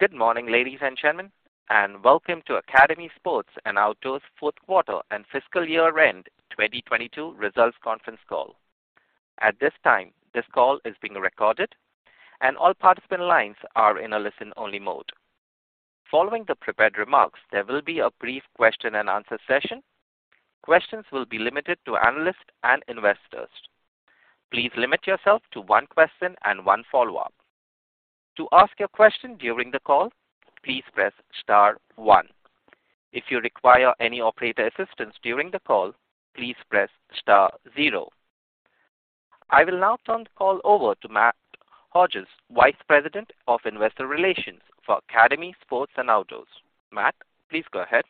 Good morning, ladies and gentlemen, and welcome to Academy Sports and Outdoors' fourth quarter and fiscal year-end 2022 results conference call. At this time, this call is being recorded and all participant lines are in a listen-only mode. Following the prepared remarks, there will be a brief question and answer session. Questions will be limited to analysts and investors. Please limit yourself to one question and one follow-up. To ask a question during the call, please press star one. If you require any operator assistance during the call, please press star zero. I will now turn the call over to Matt Hodges, Vice President of Investor Relations for Academy Sports and Outdoors. Matt, please go ahead.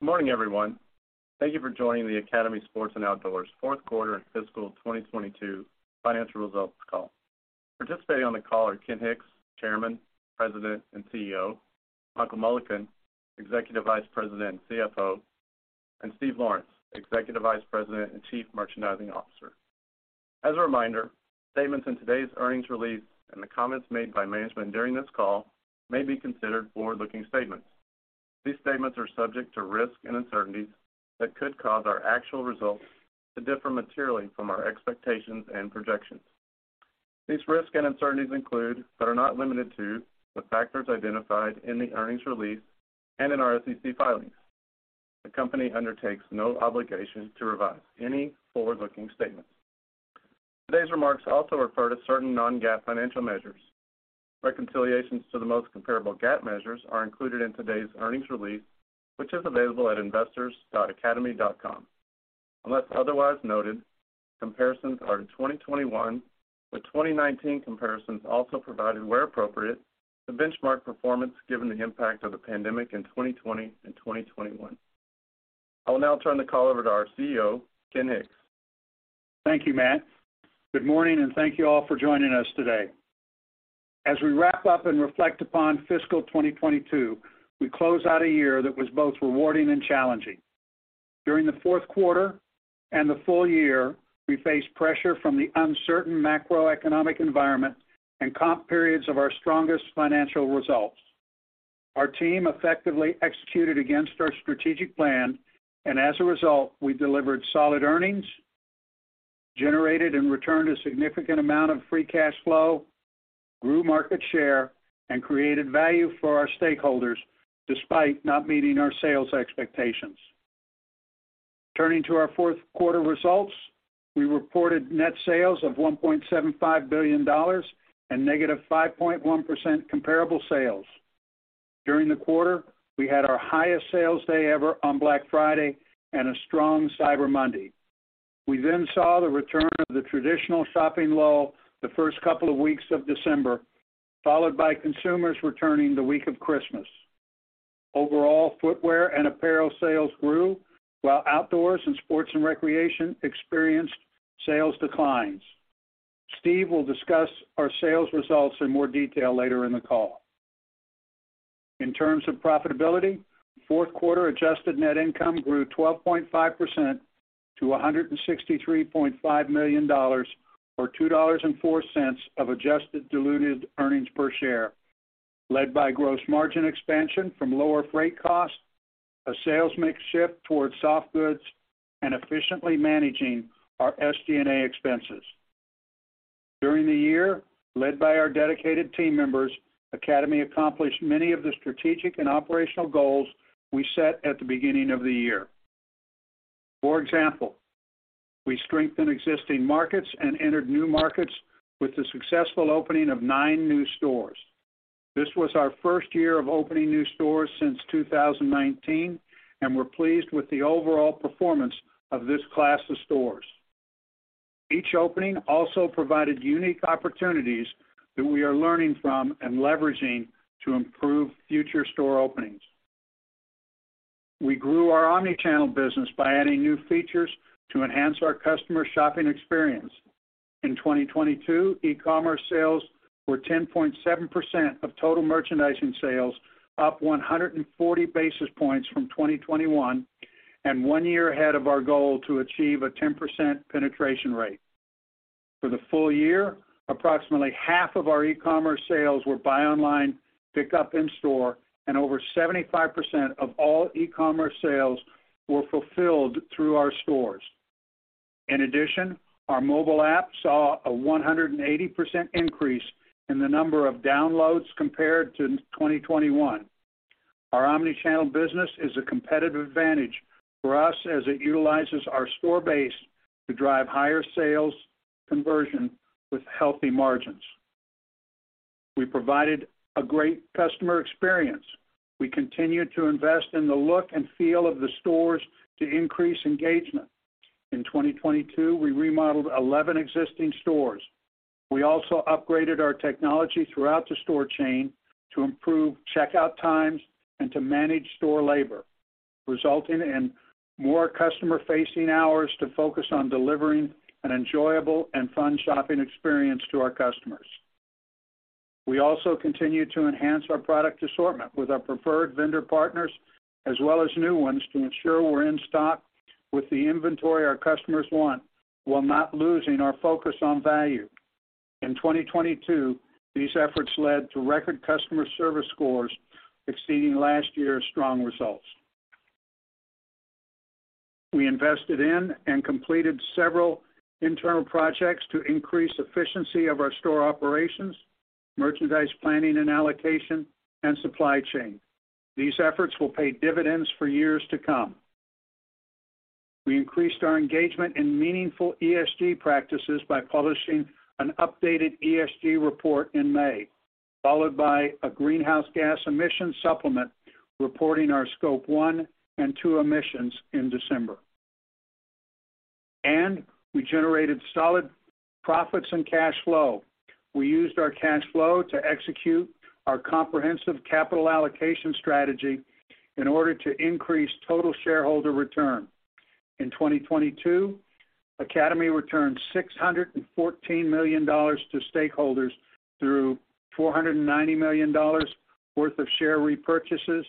Good morning, everyone. Thank you for joining the Academy Sports and Outdoors fourth quarter and fiscal 2022 financial results call. Participating on the call are Ken Hicks, Chairman, President, and CEO; Michael Mullican, Executive Vice President and CFO and Steve Lawrence, Executive Vice President and Chief Merchandising Officer. As a reminder, statements in today's earnings release and the comments made by management during this call may be considered forward-looking statements. These statements are subject to risks and uncertainties that could cause our actual results to differ materially from our expectations and projections. These risks and uncertainties include, but are not limited to, the factors identified in the earnings release and in our SEC filings. The company undertakes no obligation to revise any forward-looking statements. Today's remarks also refer to certain non-GAAP financial measures. Reconciliations to the most comparable GAAP measures are included in today's earnings release, which is available at investors.academy.com. Unless otherwise noted, comparisons are to 2021, with 2019 comparisons also provided where appropriate to benchmark performance given the impact of the pandemic in 2020 and 2021. I will now turn the call over to our CEO, Ken Hicks. Thank you, Matt. Good morning, thank you all for joining us today. As we wrap up and reflect upon fiscal 2022, we close out a year that was both rewarding and challenging. During the fourth quarter and the full year, we faced pressure from the uncertain macroeconomic environment and comp periods of our strongest financial results. Our team effectively executed against our strategic plan, and as a result, we delivered solid earnings, generated and returned a significant amount of free cash flow, grew market share, and created value for our stakeholders despite not meeting our sales expectations. Turning to our fourth quarter results, we reported net sales of $1.75 billion and -5.1% comparable sales. During the quarter, we had our highest sales day ever on Black Friday and a strong Cyber Monday. We saw the return of the traditional shopping lull the first couple of weeks of December, followed by consumers returning the week of Christmas. Overall, footwear and apparel sales grew, while outdoors and sports and recreation experienced sales declines. Steve will discuss our sales results in more detail later in the call. In terms of profitability, fourth quarter adjusted net income grew 12.5% to $163.5 million or $2.04 of adjusted diluted earnings per share, led by gross margin expansion from lower freight costs, a sales mix shift towards soft goods, and efficiently managing our SG&A expenses. During the year, led by our dedicated team members, Academy accomplished many of the strategic and operational goals we set at the beginning of the year. We strengthened existing markets and entered new markets with the successful opening of 9 new stores. This was our first year of opening new stores since 2019. We're pleased with the overall performance of this class of stores. Each opening also provided unique opportunities that we are learning from and leveraging to improve future store openings. We grew our omnichannel business by adding new features to enhance our customer shopping experience. In 2022, e-commerce sales were 10.7% of total merchandising sales, up 140 basis points from 2021, one year ahead of our goal to achieve a 10% penetration rate. For the full year, approximately half of our e-commerce sales were buy online, pick up in store. Over 75% of all e-commerce sales were fulfilled through our stores. Our mobile app saw a 180% increase in the number of downloads compared to 2021. Our omnichannel business is a competitive advantage for us as it utilizes our store base to drive higher sales conversion with healthy margins. We provided a great customer experience. We continued to invest in the look and feel of the stores to increase engagement. In 2022, we remodeled 11 existing stores. We also upgraded our technology throughout the store chain to improve checkout times and to manage store labor, resulting in more customer-facing hours to focus on delivering an enjoyable and fun shopping experience to our customers. We also continued to enhance our product assortment with our preferred vendor partners as well as new ones to ensure we're in stock with the inventory our customers want, while not losing our focus on value. In 2022, these efforts led to record customer service scores exceeding last year's strong results. We invested in and completed several internal projects to increase efficiency of our store operations, merchandise planning and allocation, and supply chain. These efforts will pay dividends for years to come. We increased our engagement in meaningful ESG practices by publishing an updated ESG report in May, followed by a greenhouse gas emission supplement reporting our scope one and two emissions in December. We generated solid profits and cash flow. We used our cash flow to execute our comprehensive capital allocation strategy in order to increase total shareholder return. In 2022, Academy returned $614 million to stakeholders through $490 million worth of share repurchases,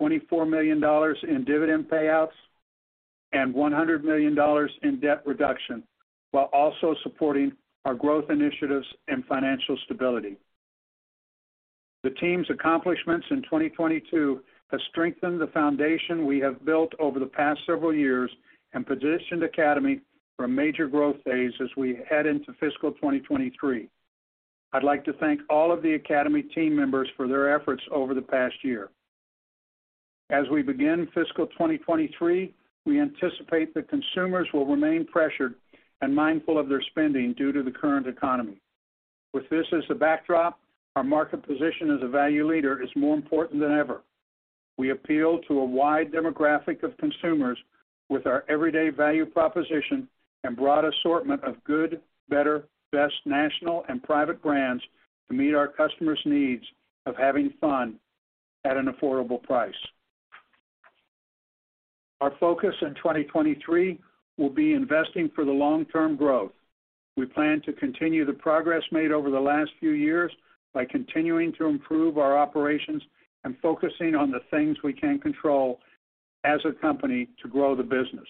$24 million in dividend payouts, and $100 million in debt reduction, while also supporting our growth initiatives and financial stability. The team's accomplishments in 2022 have strengthened the foundation we have built over the past several years and positioned Academy for a major growth phase as we head into fiscal 2023. I'd like to thank all of the Academy team members for their efforts over the past year. As we begin fiscal 2023, we anticipate that consumers will remain pressured and mindful of their spending due to the current economy. With this as the backdrop, our market position as a value leader is more important than ever. We appeal to a wide demographic of consumers with our everyday value proposition and broad assortment of good, better, best national and private brands to meet our customers' needs of having fun at an affordable price. Our focus in 2023 will be investing for the long-term growth. We plan to continue the progress made over the last few years by continuing to improve our operations and focusing on the things we can control as a company to grow the business.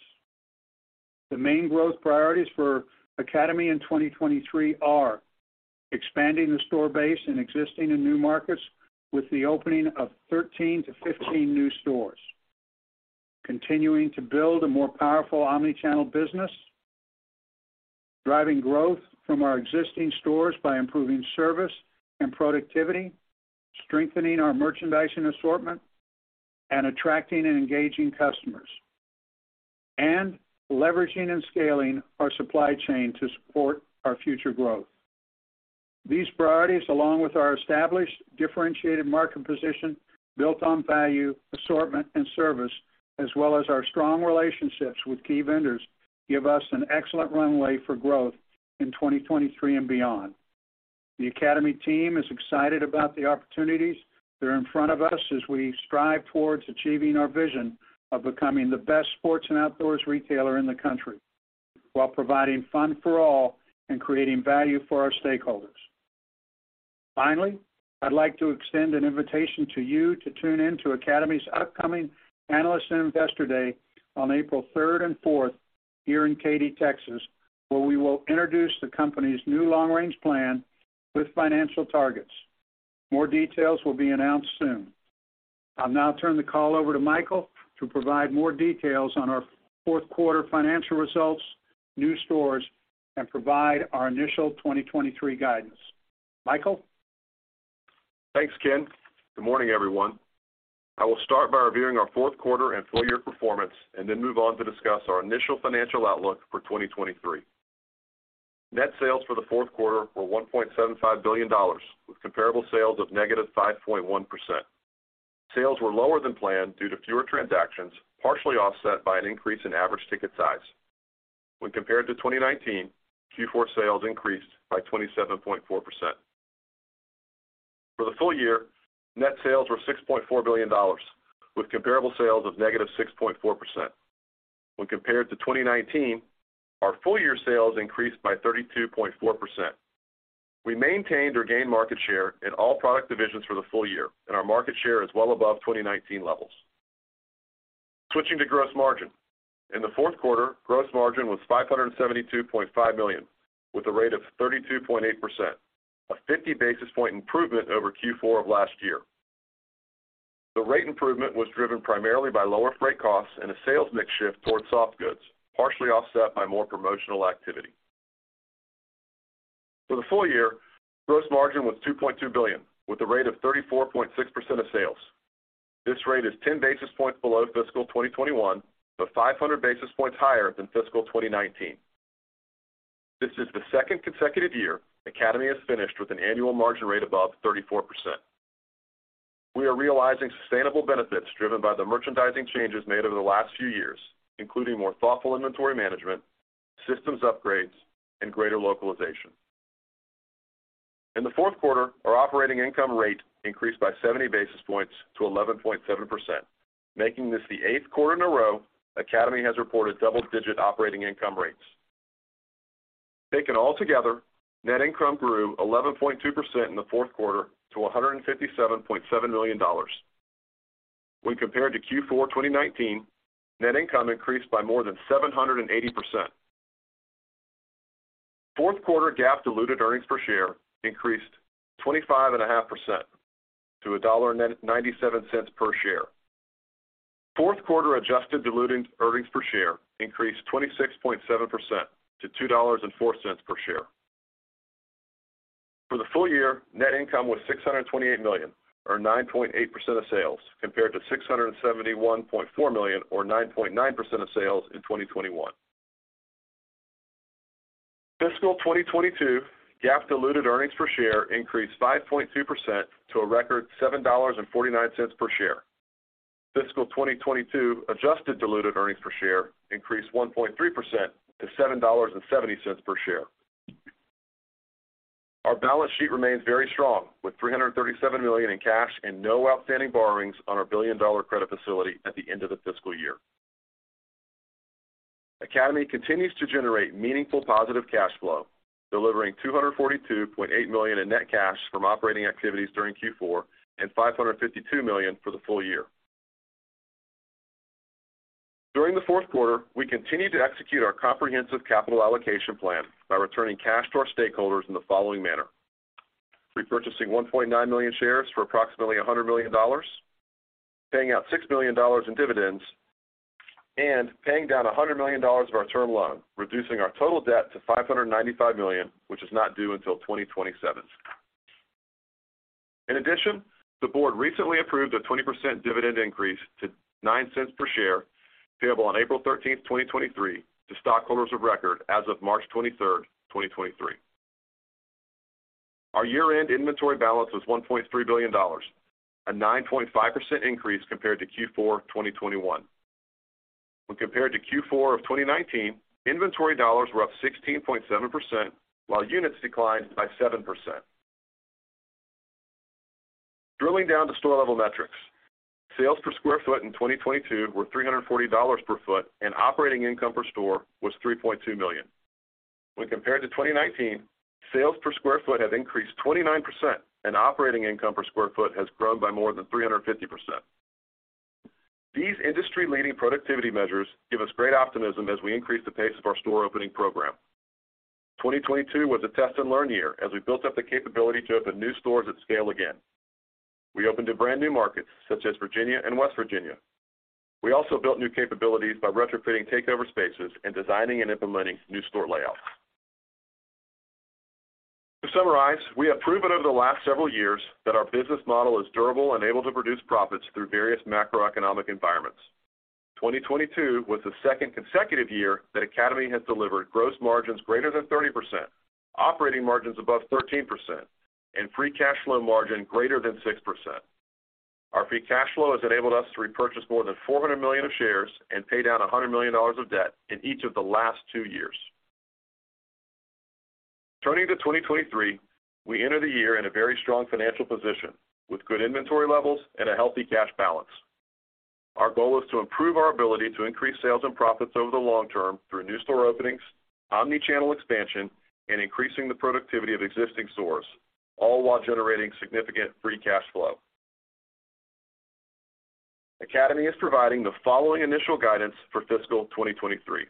The main growth priorities for Academy in 2023 are expanding the store base in existing and new markets with the opening of 13-15 new stores. Continuing to build a more powerful omnichannel business. Driving growth from our existing stores by improving service and productivity, strengthening our merchandising assortment, and attracting and engaging customers. Leveraging and scaling our supply chain to support our future growth. These priorities, along with our established differentiated market position built on value, assortment, and service, as well as our strong relationships with key vendors, give us an excellent runway for growth in 2023 and beyond. The Academy team is excited about the opportunities that are in front of us as we strive towards achieving our vision of becoming the best sports and outdoors retailer in the country while providing fun for all and creating value for our stakeholders. I'd like to extend an invitation to you to tune in to Academy's upcoming Analyst and Investor Day on April 3rd and 4th here in Katy, Texas, where we will introduce the company's new long-range plan with financial targets. More details will be announced soon. I'll now turn the call over to Michael to provide more details on our fourth quarter financial results, new stores, and provide our initial 2023 guidance. Michael? Thanks, Ken. Good morning, everyone. I will start by reviewing our fourth quarter and full year performance and then move on to discuss our initial financial outlook for 2023. Net sales for the fourth quarter were $1.75 billion, with comparable sales of -5.1%. Sales were lower than planned due to fewer transactions, partially offset by an increase in average ticket size. When compared to 2019, Q4 sales increased by 27.4%. For the full year, net sales were $6.4 billion, with comparable sales of -6.4%. When compared to 2019, our full-year sales increased by 32.4%. We maintained or gained market share in all product divisions for the full year, and our market share is well above 2019 levels. Switching to gross margin. In the fourth quarter, gross margin was $572.5 million, with a rate of 32.8%, a 50 basis point improvement over Q4 of last year. The rate improvement was driven primarily by lower freight costs and a sales mix shift towards soft goods, partially offset by more promotional activity. For the full year, gross margin was $2.2 billion, with a rate of 34.6% of sales. This rate is 10 basis points below fiscal 2021, but 500 basis points higher than fiscal 2019. This is the second consecutive year Academy has finished with an annual margin rate above 34%. We are realizing sustainable benefits driven by the merchandising changes made over the last few years, including more thoughtful inventory management, systems upgrades, and greater localization. In the fourth quarter, our operating income rate increased by 70 basis points to 11.7%, making this the eighth quarter in a row Academy has reported double-digit operating income rates. Taken all together, net income grew 11.2% in the fourth quarter to $157.7 million. When compared to Q4 2019, net income increased by more than 780%. Fourth quarter GAAP diluted earnings per share increased 25.5% to $1.97 per share. Fourth quarter adjusted diluted earnings per share increased 26.7% to $2.04 per share. For the full year, net income was $628 million or 9.8% of sales, compared to $671.4 million or 9.9% of sales in 2021. Fiscal 2022 GAAP diluted earnings per share increased 5.2% to a record $7.49 per share. Fiscal 2022 adjusted diluted earnings per share increased 1.3% to $7.70 per share. Our balance sheet remains very strong with $337 million in cash and no outstanding borrowings on our billion-dollar credit facility at the end of the fiscal year. Academy continues to generate meaningful positive cash flow, delivering $242.8 million in net cash from operating activities during Q4 and $552 million for the full year. During the fourth quarter, we continued to execute our comprehensive capital allocation plan by returning cash to our stakeholders in the following manner: repurchasing 1.9 million shares for approximately $100 million, paying out $6 million in dividends, and paying down $100 million of our term loan, reducing our total debt to $595 million, which is not due until 2027. The board recently approved a 20% dividend increase to $0.09 per share, payable on April 13, 2023 to stockholders of record as of March 23, 2023. Our year-end inventory balance was $1.3 billion, a 9.5% increase compared to Q4 2021. Compared to Q4 of 2019, inventory dollars were up 16.7%, while units declined by 7%. Drilling down to store-level metrics, sales per sq ft in 2022 were $340 per foot, and operating income per store was $3.2 million. When compared to 2019, sales per sq ft have increased 29%, and operating income per sq ft has grown by more than 350%. These industry-leading productivity measures give us great optimism as we increase the pace of our store opening program. 2022 was a test and learn year as we built up the capability to open new stores at scale again. We opened to brand new markets such as Virginia and West Virginia. We also built new capabilities by retrofitting takeover spaces and designing and implementing new store layouts. To summarize, we have proven over the last several years that our business model is durable and able to produce profits through various macroeconomic environments. 2022 was the second consecutive year that Academy has delivered gross margins greater than 30%, operating margins above 13%, and free cash flow margin greater than 6%. Our free cash flow has enabled us to repurchase more than $400 million of shares and pay down $100 million of debt in each of the last two years. Turning to 2023, we enter the year in a very strong financial position with good inventory levels and a healthy cash balance. Our goal is to improve our ability to increase sales and profits over the long term through new store openings, omnichannel expansion, and increasing the productivity of existing stores, all while generating significant free cash flow. Academy is providing the following initial guidance for fiscal 2023.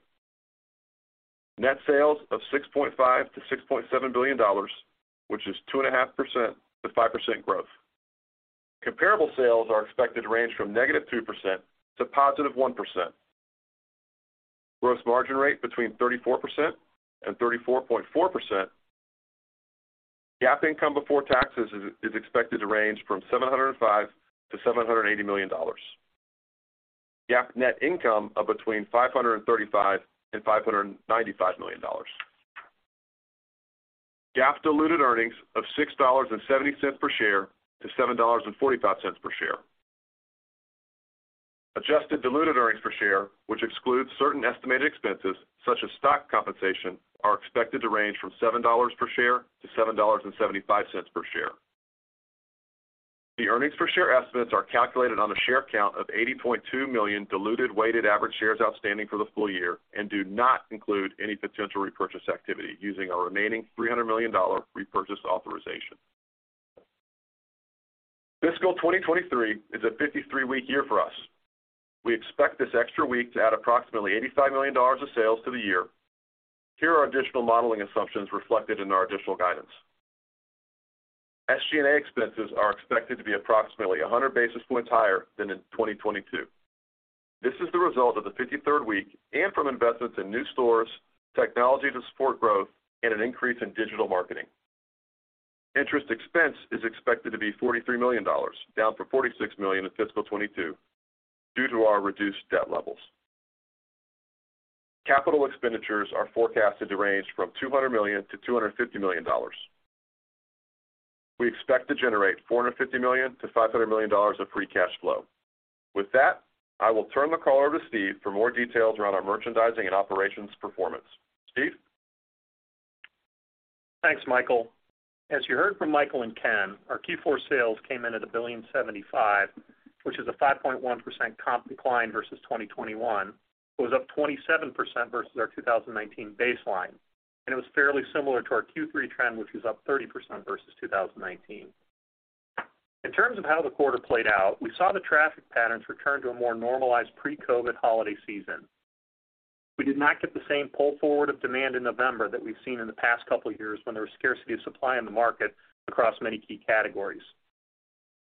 Net sales of $6.5 billion-$6.7 billion, which is 2.5%-5% growth. Comparable sales are expected to range from -2% to +1%. Gross margin rate between 34% and 34.4%. GAAP income before taxes is expected to range from $705 million-$780 million. GAAP net income of between $535 million and $595 million. GAAP diluted earnings of $6.70 per share to $7.45 per share. Adjusted diluted earnings per share, which excludes certain estimated expenses such as stock compensation, are expected to range from $7.00 per share to $7.75 per share. The earnings per share estimates are calculated on a share count of 80.2 million diluted weighted average shares outstanding for the full year and do not include any potential repurchase activity using our remaining $300 million repurchase authorization. Fiscal 2023 is a 53-week year for us. We expect this extra week to add approximately $85 million of sales to the year. Here are additional modeling assumptions reflected in our additional guidance. SG&A expenses are expected to be approximately 100 basis points higher than in 2022. This is the result of the 53rd week and from investments in new stores, technology to support growth, and an increase in digital marketing. Interest expense is expected to be $43 million, down from $46 million in fiscal 2022 due to our reduced debt levels. Capital expenditures are forecasted to range from $200 million-$250 million. We expect to generate $450 million-$500 million of free cash flow. With that, I will turn the call over to Steve for more details around our merchandising and operations performance. Steve? Thanks, Michael. As you heard from Michael and Ken, our Q4 sales came in at $1.75 billion, which is a 5.1% comp decline versus 2021. It was up 27% versus our 2019 baseline, and it was fairly similar to our Q3 trend, which was up 30% versus 2019. In terms of how the quarter played out, we saw the traffic patterns return to a more normalized pre-COVID holiday season. We did not get the same pull forward of demand in November that we've seen in the past couple of years when there was scarcity of supply in the market across many key categories.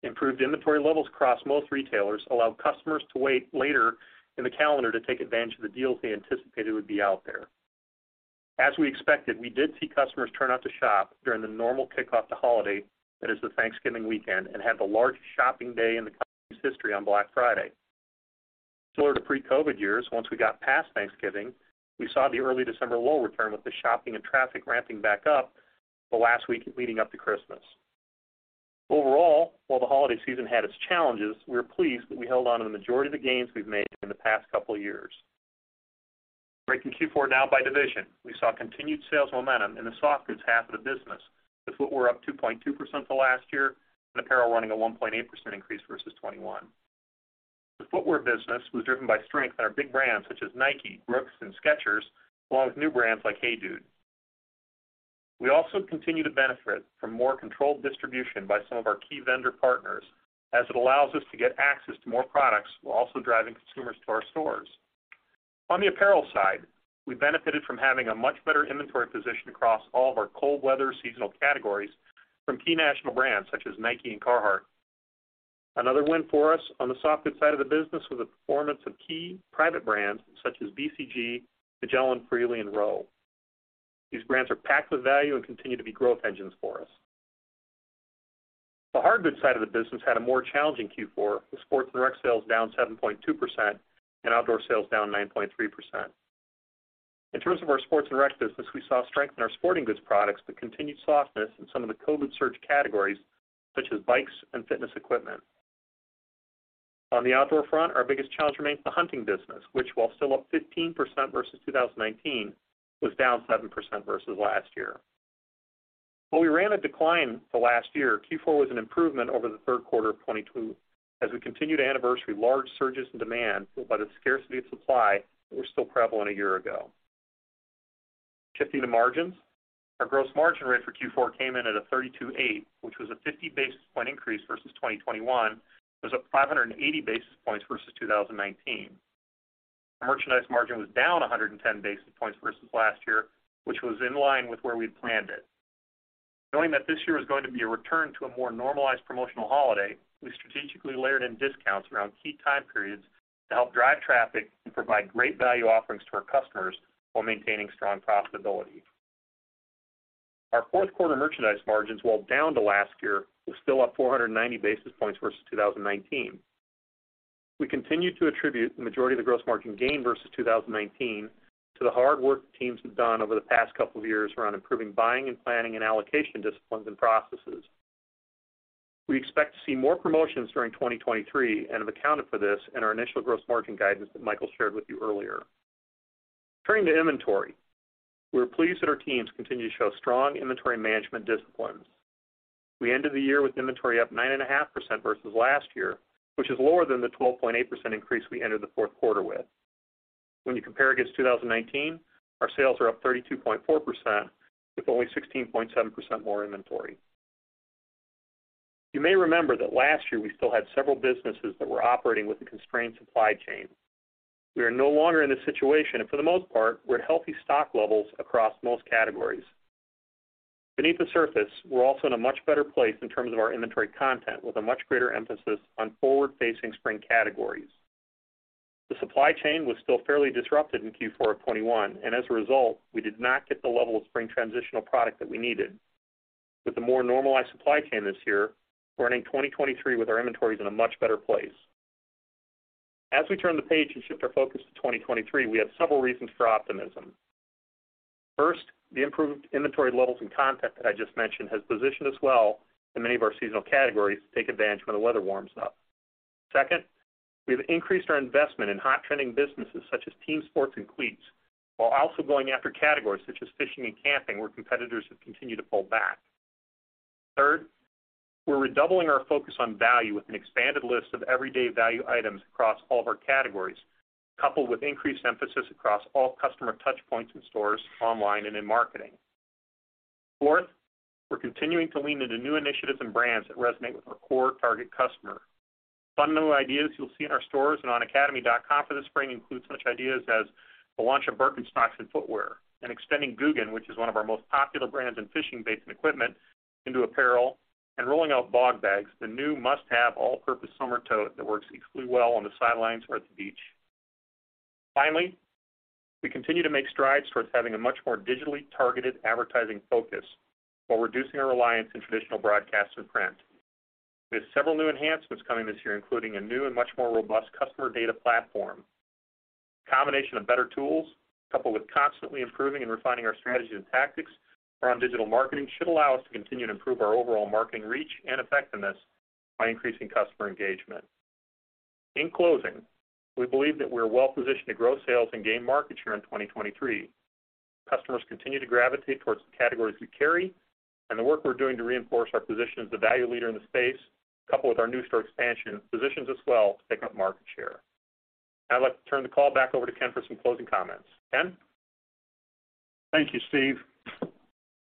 Improved inventory levels across most retailers allowed customers to wait later in the calendar to take advantage of the deals they anticipated would be out there. As we expected, we did see customers turn out to shop during the normal kickoff to holiday that is the Thanksgiving weekend and had the largest shopping day in the company's history on Black Friday. Similar to pre-COVID years, once we got past Thanksgiving, we saw the early December lull return with the shopping and traffic ramping back up the last week leading up to Christmas. While the holiday season had its challenges, we were pleased that we held on to the majority of the gains we've made in the past couple of years. Breaking Q4 down by division, we saw continued sales momentum in the softgoods half of the business, with footwear up 2.2% to last year and apparel running a 1.8% increase versus 2021. The footwear business was driven by strength in our big brands such as Nike, Brooks, and Skechers, along with new brands like HEYDUDE. We also continue to benefit from more controlled distribution by some of our key vendor partners as it allows us to get access to more products while also driving consumers to our stores. On the apparel side, we benefited from having a much better inventory position across all of our cold weather seasonal categories from key national brands such as Nike and Carhartt. Another win for us on the softgoods side of the business was the performance of key private brands such as BCG, Magellan, Freely, and R.O.W. These brands are packed with value and continue to be growth engines for us. The hardgoods side of the business had a more challenging Q4, with sports and rec sales down 7.2% and outdoor sales down 9.3%. In terms of our sports and rec business, we saw strength in our sporting goods products, but continued softness in some of the COVID surge categories, such as bikes and fitness equipment. On the outdoor front, our biggest challenge remains the hunting business, which, while still up 15% versus 2019, was down 7% versus last year. While we ran a decline to last year, Q4 was an improvement over the third quarter of 2022 as we continue to anniversary large surges in demand brought about by the scarcity of supply that were still prevalent a year ago. Shifting to margins. Our gross margin rate for Q4 came in at 32.8%, which was a 50 basis point increase versus 2021. It was up 580 basis points versus 2019. Our merchandise margin was down 110 basis points versus last year, which was in line with where we had planned it. Knowing that this year was going to be a return to a more normalized promotional holiday, we strategically layered in discounts around key time periods to help drive traffic and provide great value offerings to our customers while maintaining strong profitability. Our fourth quarter merchandise margins, while down to last year, was still up 490 basis points versus 2019. We continue to attribute the majority of the gross margin gain versus 2019 to the hard work the teams have done over the past couple of years around improving buying and planning and allocation disciplines and processes. We expect to see more promotions during 2023 and have accounted for this in our initial gross margin guidance that Michael shared with you earlier. Turning to inventory. We were pleased that our teams continue to show strong inventory management disciplines. We ended the year with inventory up 9.5% versus last year, which is lower than the 12.8% increase we entered the fourth quarter with. When you compare against 2019, our sales are up 32.4% with only 16.7% more inventory. You may remember that last year we still had several businesses that were operating with a constrained supply chain. We are no longer in this situation, and for the most part, we're at healthy stock levels across most categories. Beneath the surface, we're also in a much better place in terms of our inventory content, with a much greater emphasis on forward-facing spring categories. The supply chain was still fairly disrupted in Q4 of 2021, and as a result, we did not get the level of spring transitional product that we needed. With a more normalized supply chain this year, we're entering 2023 with our inventories in a much better place. As we turn the page and shift our focus to 2023, we have several reasons for optimism. First, the improved inventory levels and content that I just mentioned has positioned us well in many of our seasonal categories to take advantage when the weather warms up. Second, we've increased our investment in hot trending businesses such as team sports and cleats, while also going after categories such as fishing and camping, where competitors have continued to pull back. Third, we're redoubling our focus on value with an expanded list of everyday value items across all of our categories, coupled with increased emphasis across all customer touch points in stores, online, and in marketing. Fourth, we're continuing to lean into new initiatives and brands that resonate with our core target customer. Fun new ideas you'll see in our stores and on academy.com for the spring include such ideas as the launch of Birkenstocks in footwear and extending Googan, which is one of our most popular brands in fishing baits and equipment, into apparel and rolling out Bogg Bags, the new must-have all-purpose summer tote that works equally well on the sidelines or at the beach. Finally, we continue to make strides towards having a much more digitally targeted advertising focus while reducing our reliance on traditional broadcast and print. We have several new enhancements coming this year, including a new and much more robust customer data platform. A combination of better tools, coupled with constantly improving and refining our strategies and tactics around digital marketing, should allow us to continue to improve our overall marketing reach and effectiveness by increasing customer engagement. In closing, we believe that we're well positioned to grow sales and gain market share in 2023. Customers continue to gravitate towards the categories we carry and the work we're doing to reinforce our position as the value leader in the space, coupled with our new store expansion, positions us well to take up market share. Now I'd like to turn the call back over to Ken for some closing comments. Ken? Thank you, Steve.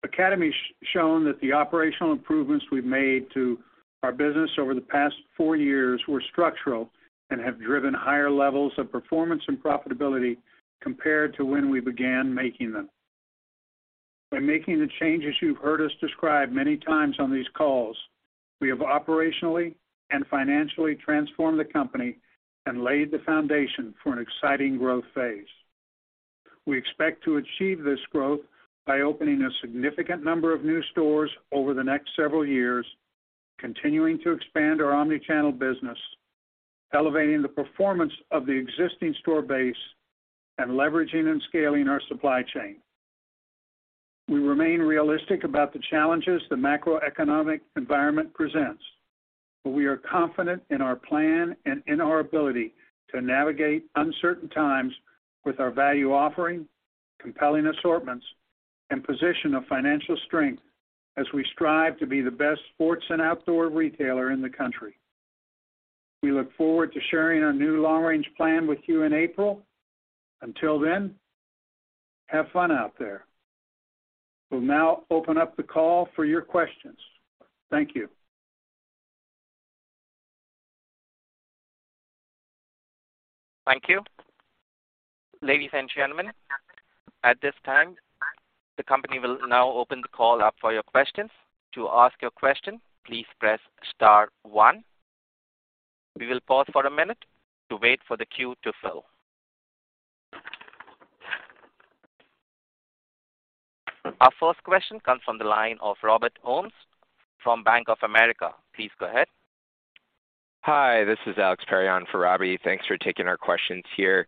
Academy's shown that the operational improvements we've made to our business over the past 4 years were structural and have driven higher levels of performance and profitability compared to when we began making them. By making the changes you've heard us describe many times on these calls, we have operationally and financially transformed the company and laid the foundation for an exciting growth phase. We expect to achieve this growth by opening a significant number of new stores over the next several years, continuing to expand our omni-channel business, elevating the performance of the existing store base, and leveraging and scaling our supply chain. We remain realistic about the challenges the macroeconomic environment presents. We are confident in our plan and in our ability to navigate uncertain times with our value offering, compelling assortments, and position of financial strength as we strive to be the best sports and outdoor retailer in the country. We look forward to sharing our new long-range plan with you in April. Until then, have fun out there. We'll now open up the call for your questions. Thank you. Thank you. Ladies and gentlemen, at this time, the company will now open the call up for your questions. To ask your question, please press star one. We will pause for a minute to wait for the queue to fill. Our first question comes from the line of Robbie Ohmes from Bank of America. Please go ahead. Hi, this is Alex Perry for Robbie. Thanks for taking our questions here.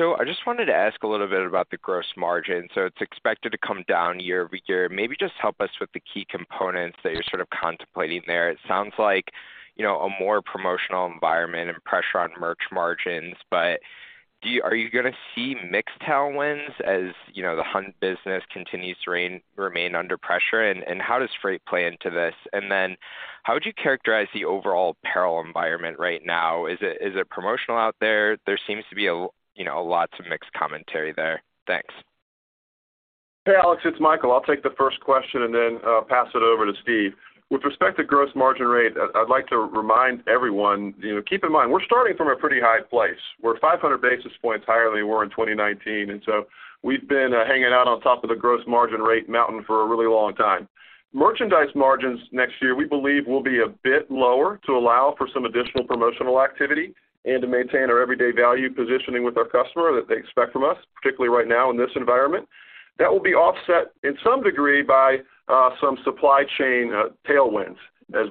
I just wanted to ask a little bit about the gross margin. It's expected to come down year-over-year. Maybe just help us with the key components that you're sort of contemplating there. It sounds like a more promotional environment and pressure on merch margins. Are you gonna see mixed tailwinds as the hunt business continues to remain under pressure? How does freight play into this? How would you characterize the overall apparel environment right now? Is it promotional out there? There seems to be lots of mixed commentary there. Thanks. Hey, Alex Perry. It's Michael. I'll take the first question and then pass it over to Steve Lawrence. With respect to gross margin rate, I'd like to remind everyone keep in mind, we're starting from a pretty high place. We're 500 basis points higher than we were in 2019. We've been hanging out on top of the gross margin rate mountain for a really long time. Merchandise margins next year, we believe, will be a bit lower to allow for some additional promotional activity and to maintain our everyday value positioning with our customer that they expect from us, particularly right now in this environment. That will be offset in some degree by some supply chain tailwinds.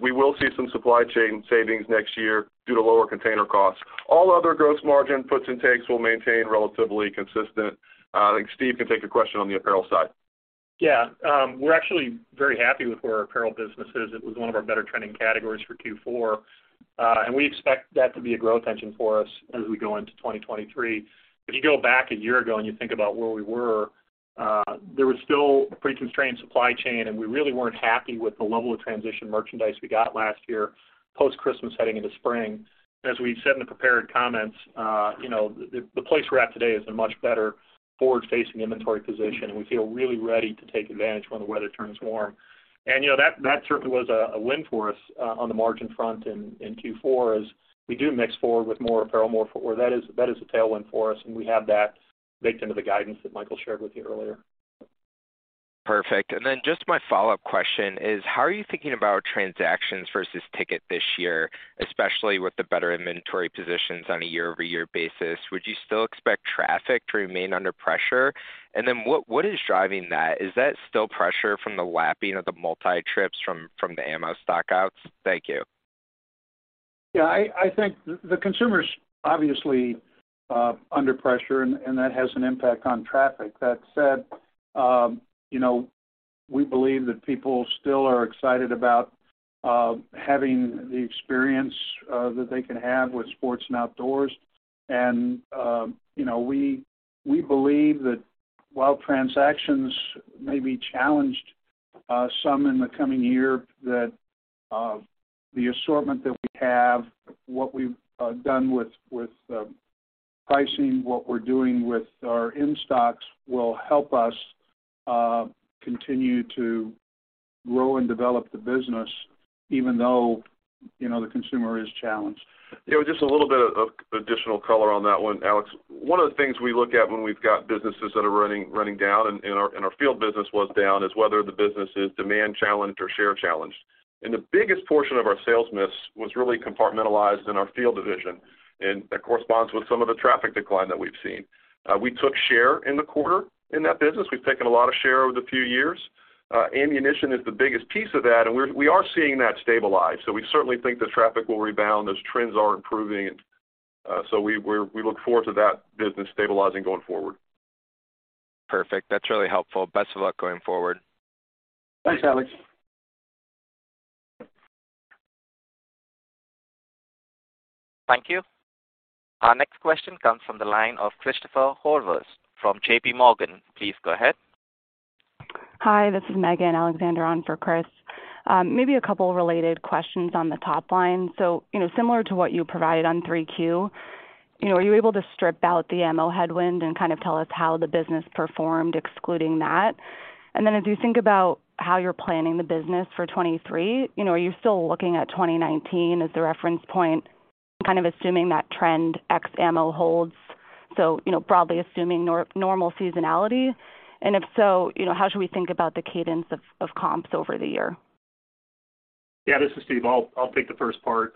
We will see some supply chain savings next year due to lower container costs. All other gross margin puts and takes will maintain relatively consistent. I think Steve can take a question on the apparel side. Yeah. We're actually very happy with where our apparel business is. It was one of our better trending categories for Q4. We expect that to be a growth engine for us as we go into 2023. If you go back a year ago and you think about where we were, there was still a pretty constrained supply chain, and we really weren't happy with the level of transition merchandise we got last year post-Christmas heading into spring. As we said in the prepared comments the place we're at today is a much better forward-facing inventory position. We feel really ready to take advantage when the weather turns warm. You know, that certainly was a win for us on the margin front in Q4 as we do mix forward with more apparel, more footwear. That is a tailwind for us. We have that baked into the guidance that Michael shared with you earlier. Perfect. Just my follow-up question is, how are you thinking about transactions versus ticket this year, especially with the better inventory positions on a year-over-year basis? Would you still expect traffic to remain under pressure? What is driving that? Is that still pressure from the lapping of the multi-trips from the ammo stock-outs? Thank you. Yeah. I think the consumer's obviously under pressure and that has an impact on traffic. That said we believe that people still are excited about having the experience that they can have with sports and outdoors. You know, we believe that while transactions may be challenged some in the coming year that the assortment that we have, what we've done with pricing, what we're doing with our in-stocks will help us continue to grow and develop the business even though the consumer is challenged. Yeah. Just a little bit of additional color on that one, Alex. One of the things we look at when we've got businesses that are running down, and our field business was down, is whether the business is demand challenged or share challenged. The biggest portion of our sales miss was really compartmentalized in our field division. That corresponds with some of the traffic decline that we've seen. We took share in the quarter in that business. We've taken a lot of share over the few years. Ammunition is the biggest piece of that, and we are seeing that stabilize. We certainly think the traffic will rebound. Those trends are improving. We look forward to that business stabilizing going forward. Perfect. That's really helpful. Best of luck going forward. Thanks, Alex. Thank you. Our next question comes from the line of Christopher Horvers from JPMorgan. Please go ahead. Hi, this is Megan Alexander on for Chris. Maybe a couple of related questions on the top line. You know, similar to what you provided on 3q are you able to strip out the ammo headwind and kind of tell us how the business performed excluding that? Then as you think about how you're planning the business for 2023 are you still looking at 2019 as the reference point, kind of assuming that trend X ammo holds broadly assuming normal seasonality? If so how should we think about the cadence of comps over the year? Yeah. This is Steve. I'll take the first part.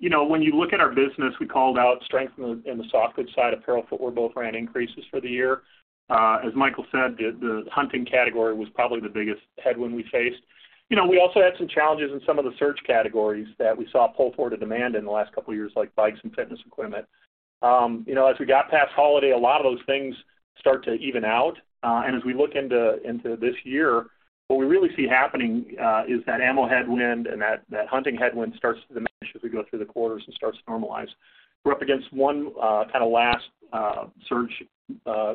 You know, when you look at our business, we called out strength in the soft goods side, apparel, footwear, both ran increases for the year. As Michael Mullican said, the hunting category was probably the biggest headwind we faced. You know, we also had some challenges in some of the search categories that we saw pull forward a demand in the last couple of years, like bikes and fitness equipment. You know, as we got past holiday, a lot of those things start to even out. As we look into this year, what we really see happening, is that ammo headwind and that hunting headwind starts to diminish as we go through the quarters and starts to normalize. We're up against 1, kinda last, surge,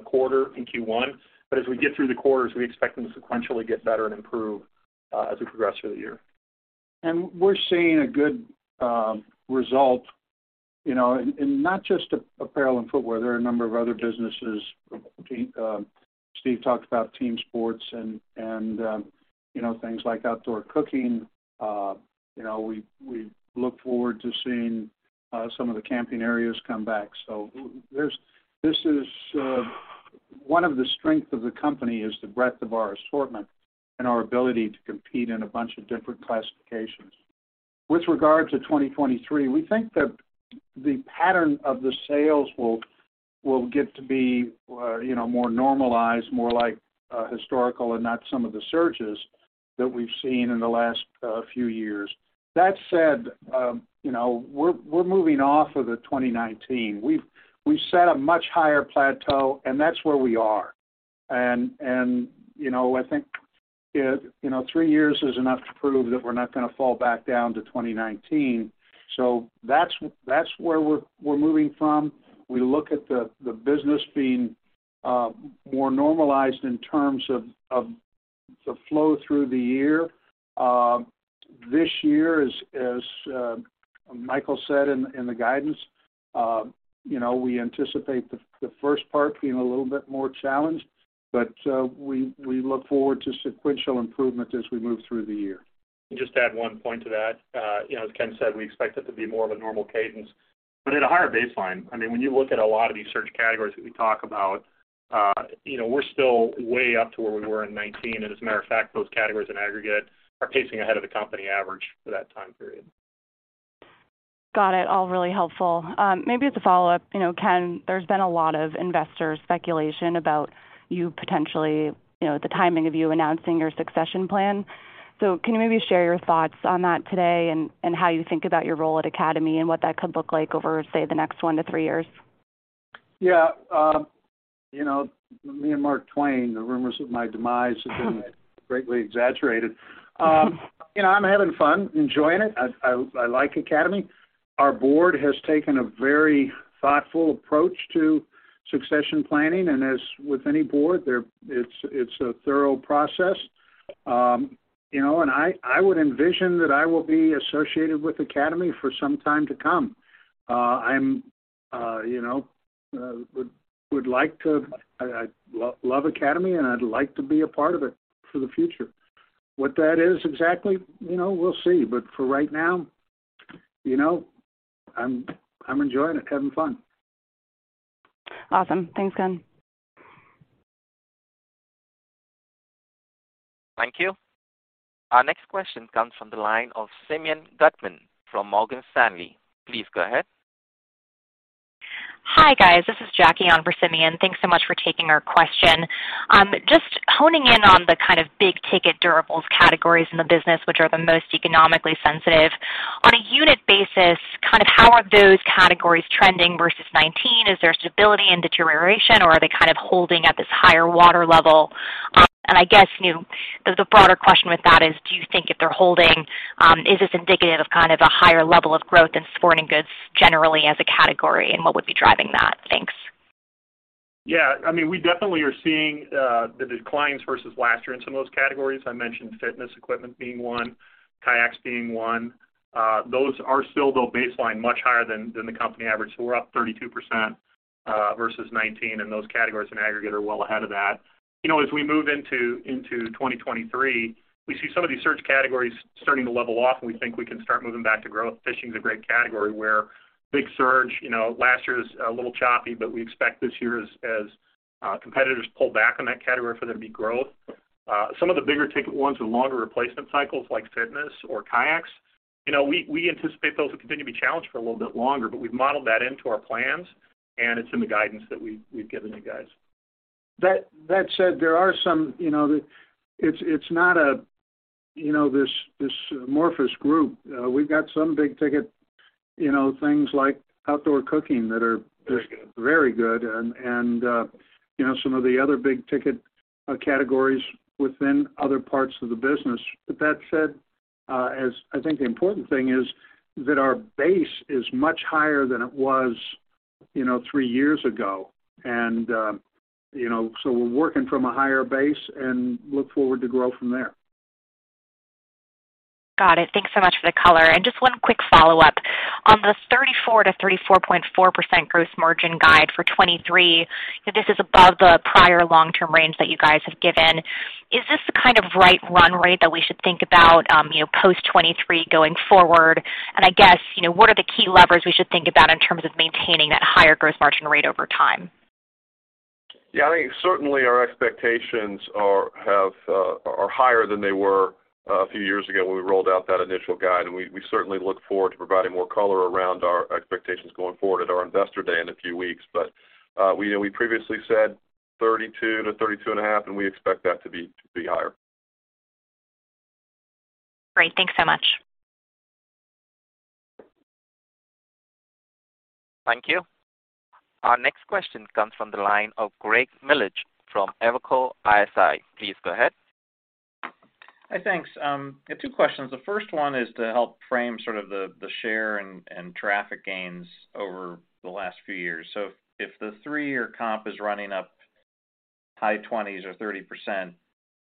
quarter in Q1, but as we get through the quarters, we expect them to sequentially get better and improve as we progress through the year. We're seeing a good, result in not just apparel and footwear, there are a number of other businesses. Steve Lawrence talked about team sports and things like outdoor cooking. You know, we look forward to seeing, some of the camping areas come back. This is, one of the strengths of the company is the breadth of our assortment and our ability to compete in a bunch of different classifications. With regards to 2023, we think that the pattern of the sales will get to be more normalized, more like, historical and not some of the surges that we've seen in the last, few years. That said we're moving off of the 2019. We've set a much higher plateau, and that's where we are. You know, I think 3 years is enough to prove that we're not gonna fall back down to 2019. That's where we're moving from. We look at the business being more normalized in terms of the flow through the year. This year, as Michael said in the guidance we anticipate the first part being a little bit more challenged, we look forward to sequential improvement as we move through the year. Just add one point to that. You know, as Ken said, we expect it to be more of a normal cadence, but at a higher baseline. I mean, when you look at a lot of these search categories that we talk about we're still way up to where we were in 2019. As a matter of fact, those categories in aggregate are pacing ahead of the company average for that time period. Got it. All really helpful. Maybe as a follow-up. You know, Ken, there's been a lot of investor speculation about you potentially the timing of you announcing your succession plan. Can you maybe share your thoughts on that today and how you think about your role at Academy and what that could look like over, say, the next 1 to 3 years? Yeah. You know me and Mark Twain, the rumors of my demise have been greatly exaggerated. You know, I'm having fun, enjoying it. I like Academy. Our board has taken a very thoughtful approach to succession planning. As with any board there, it's a thorough process. You know, I would envision that I will be associated with Academy for some time to come. i'm would like to. I love Academy, and I'd like to be a part of it for the future. What that is exactly we'll see. For right now I'm enjoying it, having fun. Awesome. Thanks, Ken. Thank you. Our next question comes from the line of Simeon Gutman from Morgan Stanley. Please go ahead. Hi, guys. This is Jackie on for Simeon. Thanks so much for taking our question. Just honing in on the kind of big-ticket durables categories in the business, which are the most economically sensitive. On a unit basis, kind of how are those categories trending versus 2019? Is there stability and deterioration, or are they kind of holding at this higher water level? I guess the broader question with that is, do you think if they're holding, is this indicative of kind of a higher level of growth in sporting goods generally as a category, and what would be driving that? Thanks. I mean, we definitely are seeing the declines versus last year in some of those categories. I mentioned fitness equipment being one, kayaks being one. Those are still though baseline much higher than the company average. We're up 32% versus 2019, and those categories in aggregate are well ahead of that. You know, as we move into 2023, we see some of these search categories starting to level off, and we think we can start moving back to growth. Fishing is a great category where big surge last year's a little choppy, but we expect this year as competitors pull back on that category for there to be growth. Some of the bigger ticket ones with longer replacement cycles like fitness or kayaks we anticipate those will continue to be challenged for a little bit longer, but we've modeled that into our plans, and it's in the guidance that we've given you guys. That said, there are some. You know, it's not a this amorphous group. We've got big-ticket things like outdoor cooking that are. Very good. Very good and some of the other big-ticket categories within other parts of the business. That said, as I think the important thing is that our base is much higher than it was 3 years ago. You know, we're working from a higher base and look forward to grow from there. Got it. Thanks so much for the color. Just one quick follow-up. On the 34%-34.4% gross margin guide for 2023, this is above the prior long-term range that you guys have given. Is this the kind of right run rate that we should think about post 2023 going forward? I guess what are the key levers we should think about in terms of maintaining that higher gross margin rate over time? Yeah, I think certainly our expectations are higher than they were a few years ago when we rolled out that initial guide, and we certainly look forward to providing more color around our expectations going forward at our Investor Day in a few weeks. we previously said thirty-two to thirty-two and a half, and we expect that to be higher. Great. Thanks so much. Thank you. Our next question comes from the line of Greg Melich from Evercore ISI. Please go ahead. Hi. Thanks. I have two questions. The first one is to help frame sort of the share and traffic gains over the last few years. If the three-year comp is running up high 20s or 30%,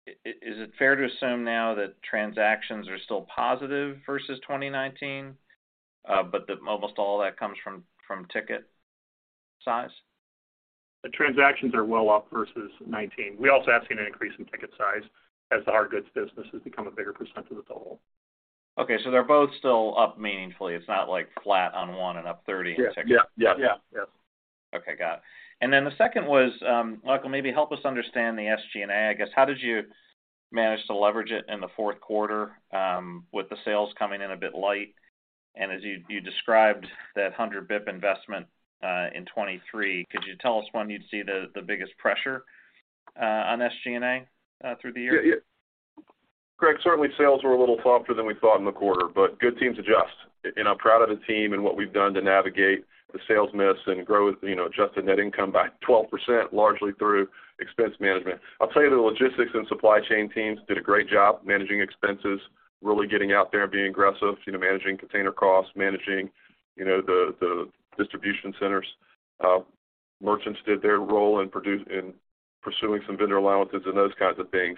is it fair to assume now that transactions are still positive versus 2019, but almost all that comes from ticket size? The transactions are well up versus 2019. We also have seen an increase in ticket size as our hard goods business has become a bigger % of the total. Okay. They're both still up meaningfully. It's not like flat on one and up 30 in ticket. Yeah. Okay. Got it. The second was, Michael, maybe help us understand the SG&A, I guess. How did you manage to leverage it in the fourth quarter, with the sales coming in a bit light? As you described that 100 BIP investment, in 2023, could you tell us when you'd see the biggest pressure, on SG&A, through the year? Yeah. Yeah. Greg, certainly sales were a little softer than we thought in the quarter, but good teams adjust. I'm proud of the team and what we've done to navigate the sales miss and grow adjusted net income by 12%, largely through expense management. I'll tell you, the logistics and supply chain teams did a great job managing expenses, really getting out there and being aggressive managing container costs, managing the distribution centers. Merchants did their role in pursuing some vendor allowances and those kinds of things.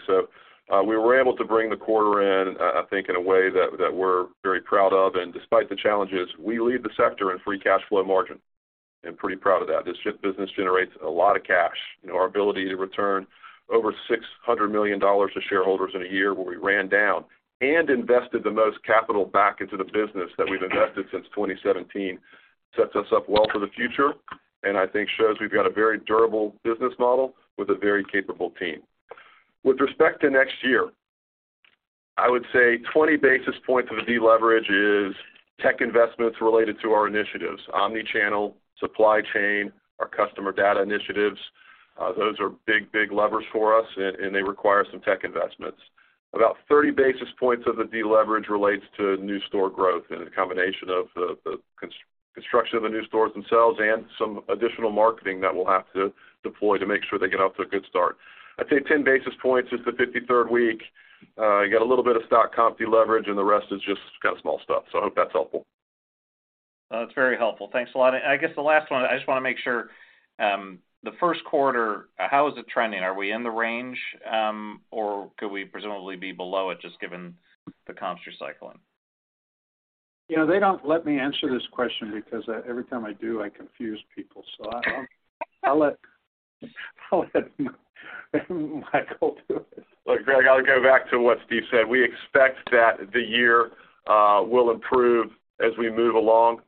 We were able to bring the quarter in, I think, in a way that we're very proud of. Despite the challenges, we lead the sector in free cash flow margin. I'm pretty proud of that. This business generates a lot of cash. You know, our ability to return over $600 million to shareholders in a year where we ran down and invested the most capital back into the business that we've invested since 2017 sets us up well for the future and I think shows we've got a very durable business model with a very capable team. With respect to next year, I would say 20 basis points of the deleverage is tech investments related to our initiatives, omni-channel, supply chain, our customer data initiatives. Those are big, big levers for us and they require some tech investments. About 30 basis points of the deleverage relates to new store growth and a combination of the construction of the new stores themselves and some additional marketing that we'll have to deploy to make sure they get off to a good start. I'd say 10 basis points is the 53rd week. You got a little bit of stock comp deleverage, and the rest is just kind of small stuff. I hope that's helpful. That's very helpful. Thanks a lot. I guess the last one, I just wanna make sure, the first quarter, how is it trending? Are we in the range, or could we presumably be below it just given the comps you're cycling? They don't let me answer this question because, every time I do, I confuse people. I'll let Michael do it. Look, Greg, I'll go back to what Steve said. We expect that the year will improve as we move along.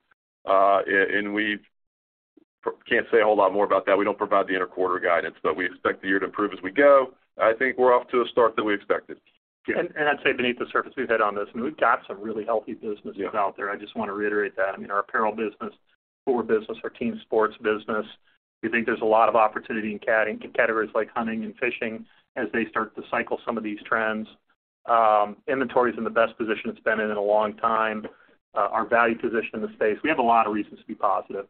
We can't say a whole lot more about that. We don't provide the inter-quarter guidance, but we expect the year to improve as we go. I think we're off to a start that we expected. Yeah. I'd say beneath the surface, we've hit on this, and we've got some really healthy businesses...out there. I just wanna reiterate that. I mean, our apparel business, footwear business, our team sports business. We think there's a lot of opportunity in categories like hunting and fishing as they start to cycle some of these trends. Inventory's in the best position it's been in in a long time. Our value position in the space. We have a lot of reasons to be positive.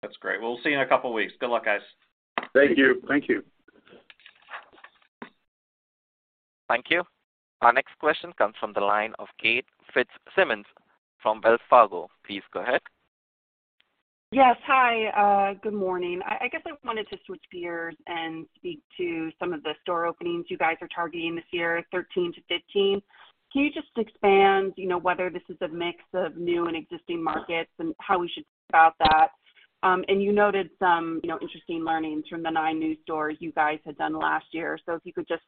That's great. We'll see you in a couple of weeks. Good luck, guys. Thank you. Thank you. Thank you. Our next question comes from the line of Will Gaertner from Wells Fargo. Please go ahead. Yes. Hi. Good morning. I guess I wanted to switch gears and speak to some of the store openings you guys are targeting this year, 13-15. Can you just expand whether this is a mix of new and existing markets and how we should think about that? You noted some interesting learnings from the 9 new stores you guys had done last year. If you could just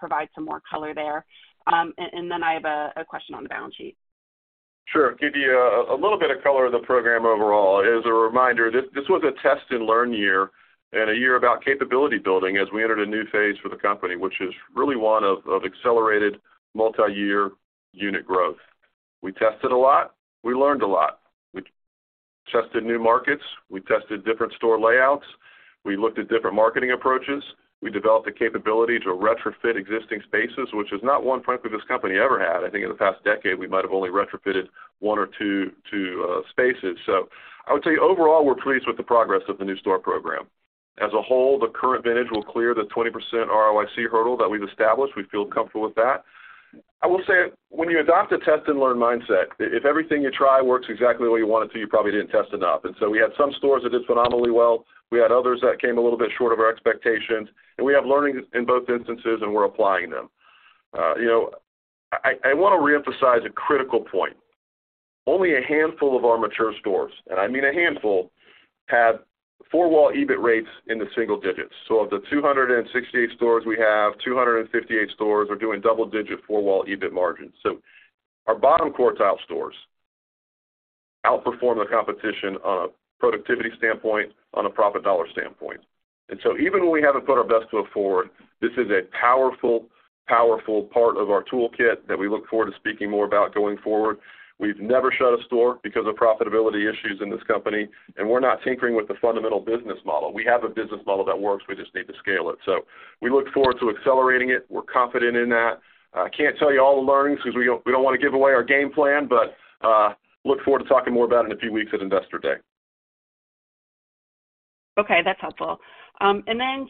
provide some more color there. Then I have a question on the balance sheet. Sure. Give you a little bit of color of the program overall. As a reminder, this was a test and learn year and a year about capability building as we entered a new phase for the company, which is really one of accelerated multi-year unit growth. We tested a lot. We learned a lot. We tested new markets. We tested different store layouts. We looked at different marketing approaches. We developed a capability to retrofit existing spaces, which is not one, frankly, this company ever had. I think in the past decade, we might have only retrofitted 1 or 2 spaces. I would tell you, overall, we're pleased with the progress of the new store program. As a whole, the current vintage will clear the 20% ROIC hurdle that we've established. We feel comfortable with that. I will say, when you adopt a test-and-learn mindset, if everything you try works exactly the way you want it to, you probably didn't test enough. We had some stores that did phenomenally well. We had others that came a little bit short of our expectations, and we have learnings in both instances, and we're applying them. You know, I wanna reemphasize a critical point. Only a handful of our mature stores, and I mean a handful, had four-wall EBIT rates in the single digits. Of the 268 stores we have, 258 stores are doing double-digit four-wall EBIT margins. Our bottom quartile stores outperform the competition on a productivity standpoint, on a profit dollar standpoint. Even when we haven't put our best foot forward, this is a powerful part of our toolkit that we look forward to speaking more about going forward. We've never shut a store because of profitability issues in this company, and we're not tinkering with the fundamental business model. We have a business model that works. We just need to scale it. We look forward to accelerating it. We're confident in that. I can't tell you all the learnings because we don't wanna give away our game plan, but look forward to talking more about it in a few weeks at Investor Day. Okay, that's helpful.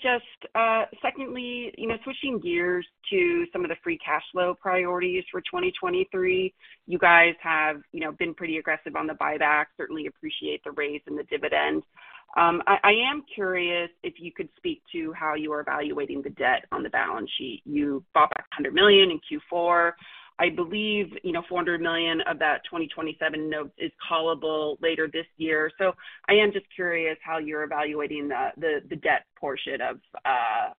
Just, secondly switching gears to some of the free cash flow priorities for 2023, you guys have been pretty aggressive on the buyback, certainly appreciate the raise in the dividend. I am curious if you could speak to how you are evaluating the debt on the balance sheet. You bought back $100 million in Q4. I believe $400 million of that 2027 note is callable later this year. I am just curious how you're evaluating the debt portion of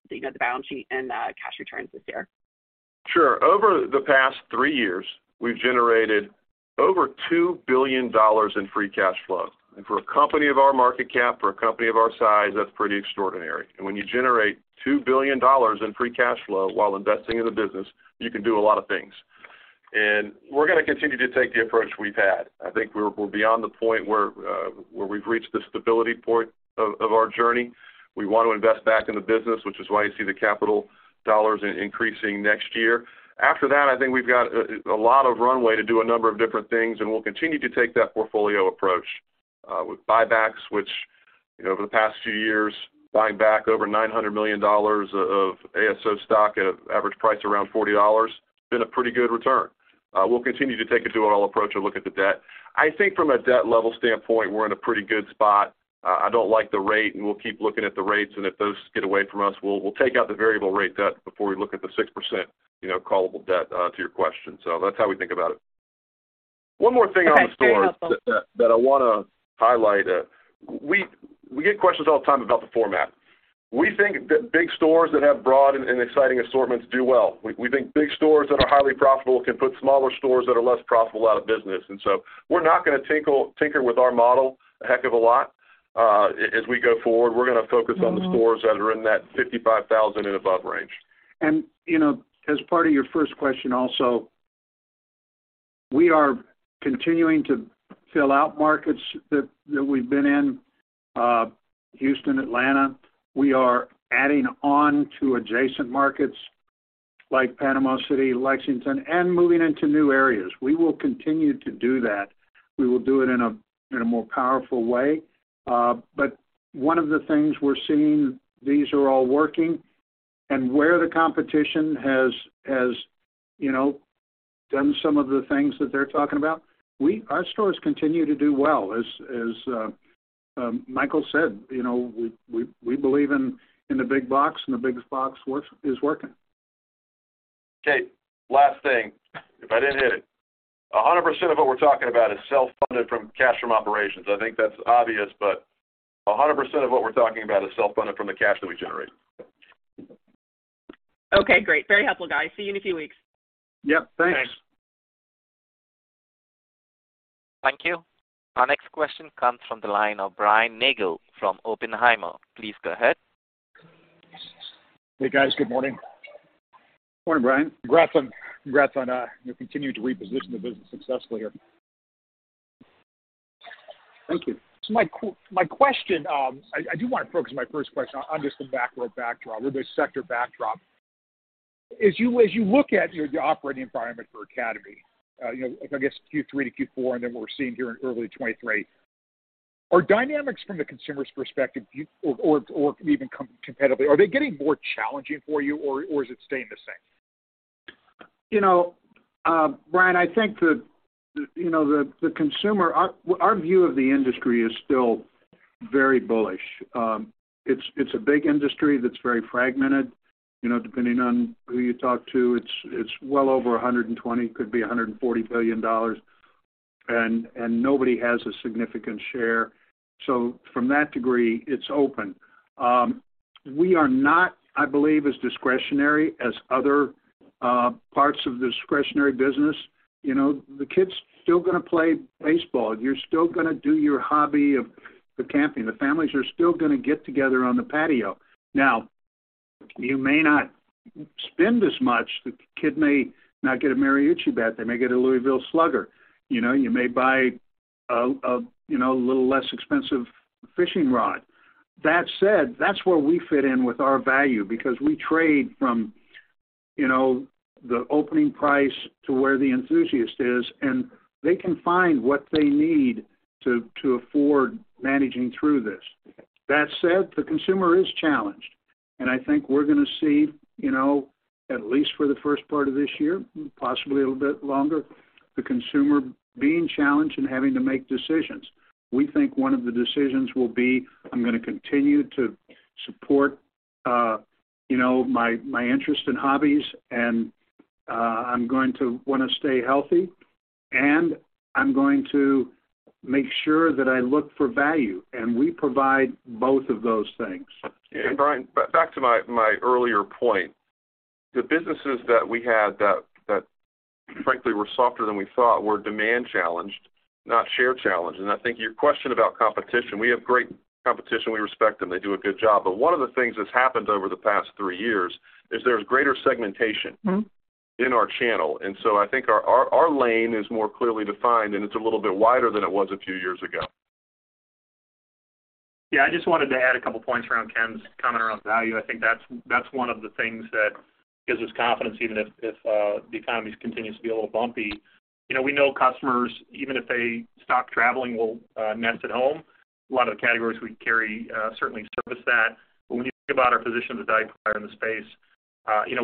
the balance sheet and cash returns this year. Sure. Over the past three years, we've generated over $2 billion in free cash flow. For a company of our market cap, for a company of our size, that's pretty extraordinary. When you generate $2 billion in free cash flow while investing in the business, you can do a lot of things. We're gonna continue to take the approach we've had. I think we're beyond the point where we've reached the stability point of our journey. We want to invest back in the business, which is why you see the capital dollars increasing next year. After that, I think we've got a lot of runway to do a number of different things, and we'll continue to take that portfolio approach with buybacks, which over the past few years, buying back over $900 million of ASO stock at an average price around $40, it's been a pretty good return. We'll continue to take a dual approach and look at the debt. I think from a debt level standpoint, we're in a pretty good spot. I don't like the rate, and we'll keep looking at the rates, and if those get away from us, we'll take out the variable rate debt before we look at the 6% callable debt to your question. That's how we think about it. One more thing on the stores- Okay, very helpful.... that I wanna highlight. We get questions all the time about the format. We think that big stores that have broad and exciting assortments do well. We think big stores that are highly profitable can put smaller stores that are less profitable out of business. We're not gonna tinker with our model a heck of a lot as we go forward. We're gonna focus on the stores that are in that 55,000 and above range. You know, as part of your first question also, we are continuing to fill out markets that we've been in, Houston, Atlanta. We are adding on to adjacent markets like Panama City, Lexington, and moving into new areas. We will continue to do that. We will do it in a, in a more powerful way. But one of the things we're seeing, these are all working. Where the competition has done some of the things that they're talking about, our stores continue to do well. As, as Michael said we believe in the big box, and the big box is working. Will Gaertner, last thing, if I didn't hit it. 100% of what we're talking about is self-funded from cash from operations. I think that's obvious, but 100% of what we're talking about is self-funded from the cash that we generate. Okay, great. Very helpful, guys. See you in a few weeks. Yep. Thanks. Thanks. Thank you. Our next question comes from the line of Brian Nagel from Oppenheimer. Please go ahead. Hey, guys. Good morning. Morning, Brian. Congrats on, you're continuing to reposition the business successfully here. Thank you. My question, I do wanna focus my first question on just the macro backdrop or the sector backdrop. As you look at your, the operating environment for academy like I guess Q3 to Q4 and then what we're seeing here in early 2023, are dynamics from the consumer's perspective, do you or even competitively, are they getting more challenging for you, or is it staying the same? You know, Brian, I think Our view of the industry is still very bullish. It's a big industry that's very fragmented. You know, depending on who you talk to, it's well over 120, could be $140 billion, and nobody has a significant share. From that degree, it's open. We are not, I believe, as discretionary as other parts of the discretionary business. You know, the kid's still gonna play baseball. You're still gonna do your hobby of the camping. The families are still gonna get together on the patio. You may not spend as much. The kid may not get a Marucci bat, they may get a Louisville Slugger. You know, you may buy a little less expensive fishing rod. That said, that's where we fit in with our value because we trade from the opening price to where the enthusiast is, and they can find what they need to afford managing through this. That said, the consumer is challenged. I think we're gonna see at least for the first part of this year, possibly a little bit longer, the consumer being challenged and having to make decisions. We think one of the decisions will be, I'm gonna continue to support my interest in hobbies and I'm going to wanna stay healthy, and I'm going to make sure that I look for value, and we provide both of those things. Brian, back to my earlier point. The businesses that we had that frankly were softer than we thought were demand challenged, not share challenged. I think your question about competition, we have great competition. We respect them. They do a good job. One of the things that's happened over the past three years is there's greater segmentation in our channel, and so I think our lane is more clearly defined, and it's a little bit wider than it was a few years ago. I just wanted to add a couple points around Ken's comment around value. I think that's one of the things that gives us confidence, even if, the economy continues to be a little bumpy. You know, we know customers, even if they stop traveling, will, nest at home. A lot of the categories we carry, certainly service that. When you think about our position as a value provider in the space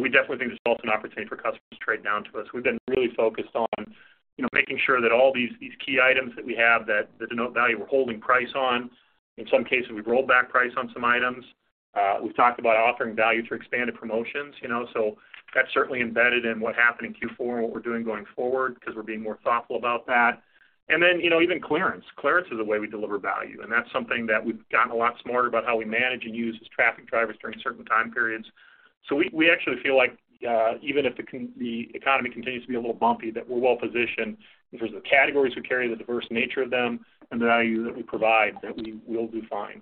we definitely think there's also an opportunity for customers to trade down to us. We've been really focused on making sure that all these key items that we have that denote value, we're holding price on. In some cases, we've rolled back price on some items. We've talked about offering value through expanded promotions, you know. That's certainly embedded in what happened in Q4 and what we're doing going forward 'cause we're being more thoughtful about that. then even clearance. Clearance is a way we deliver value, and that's something that we've gotten a lot smarter about how we manage and use as traffic drivers during certain time periods. We actually feel like, even if the economy continues to be a little bumpy, that we're well positioned in terms of the categories we carry, the diverse nature of them and the value that we provide, that we will do fine.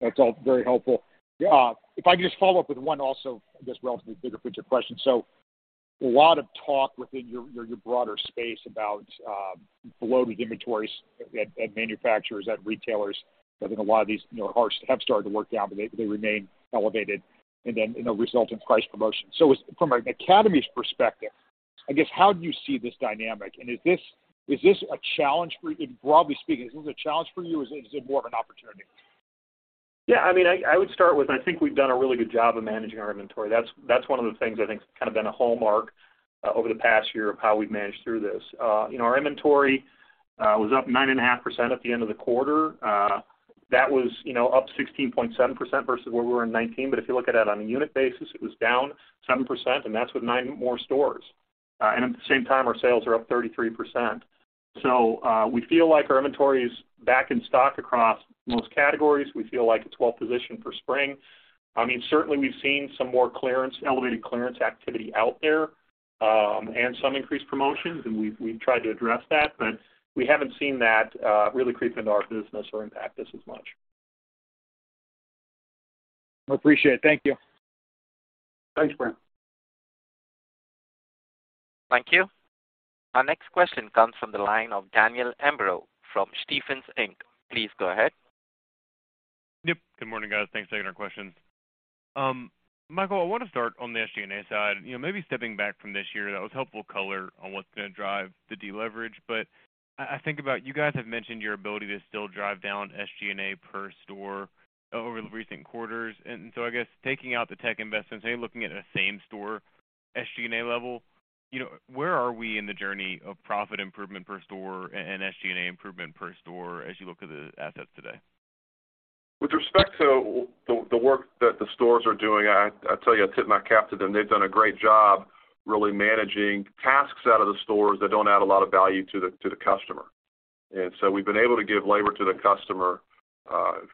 That's all very helpful. If I could just follow up with one also, I guess, relatively bigger picture question? A lot of talk within your broader space about bloated inventories at manufacturers, at retailers. I think a lot of these have started to work down, but they remain elevated and then result in price promotions. From an Academy's perspective, I guess, how do you see this dynamic? Is this a challenge for you? Broadly speaking, is this a challenge for you or is it more of an opportunity? I mean, I would start with, I think we've done a really good job of managing our inventory. That's one of the things I think has kind of been a hallmark over the past year of how we've managed through this. You know, our inventory was up 9.5% at the end of the quarter. That was up 16.7% versus where we were in 2019. If you look at it on a unit basis, it was down 7%, and that's with 9 more stores. At the same time, our sales are up 33%. We feel like our inventory is back in stock across most categories. We feel like it's well positioned for spring. I mean, certainly we've seen some more clearance, elevated clearance activity out there, and some increased promotions, and we've tried to address that, but we haven't seen that really creep into our business or impact us as much. Appreciate it. Thank you. Thanks, Brian. Thank you. Our next question comes from the line of Daniel Imbro from Stephens Inc. Please go ahead. Yep. Good morning, guys. Thanks for taking our questions. Michael, I wanna start on the SG&A side. You know, maybe stepping back from this year, that was helpful color on what's gonna drive the deleverage. I think about you guys have mentioned your ability to still drive down SG&A per store over the recent quarters. I guess taking out the tech investments and looking at a same store SG&A level where are we in the journey of profit improvement per store and SG&A improvement per store as you look at the assets today? With respect to the work that the stores are doing, I tell you, I tip my cap to them. They've done a great job really managing tasks out of the stores that don't add a lot of value to the customer. So we've been able to give labor to the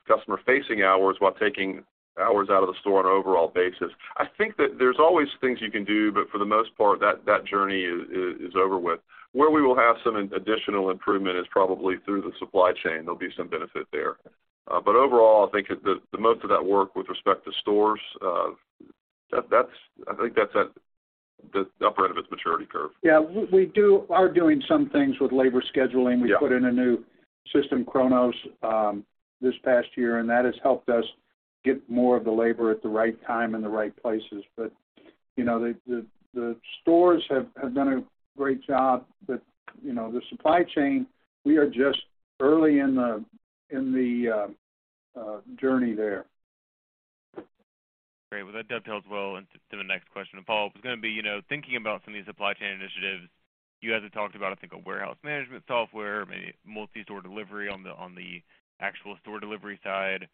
customer-facing hours while taking hours out of the store on an overall basis. I think that there's always things you can do, but for the most part, that journey is over with. Where we will have some additional improvement is probably through the supply chain. There'll be some benefit there. Overall, I think the most of that work with respect to stores, that's at the upper end of its maturity curve. Yeah. We are doing some things with labor scheduling. Yeah. We put in a new system, Kronos, this past year, and that has helped us get more of the labor at the right time and the right places. You know, the stores have done a great job. You know, the supply chain, we are just early in the journey there. Great. That dovetails well into the next question to follow up. It's gonna be thinking about some of these supply chain initiatives you guys have talked about, I think a warehouse management software, maybe multi-store delivery on the actual store delivery side.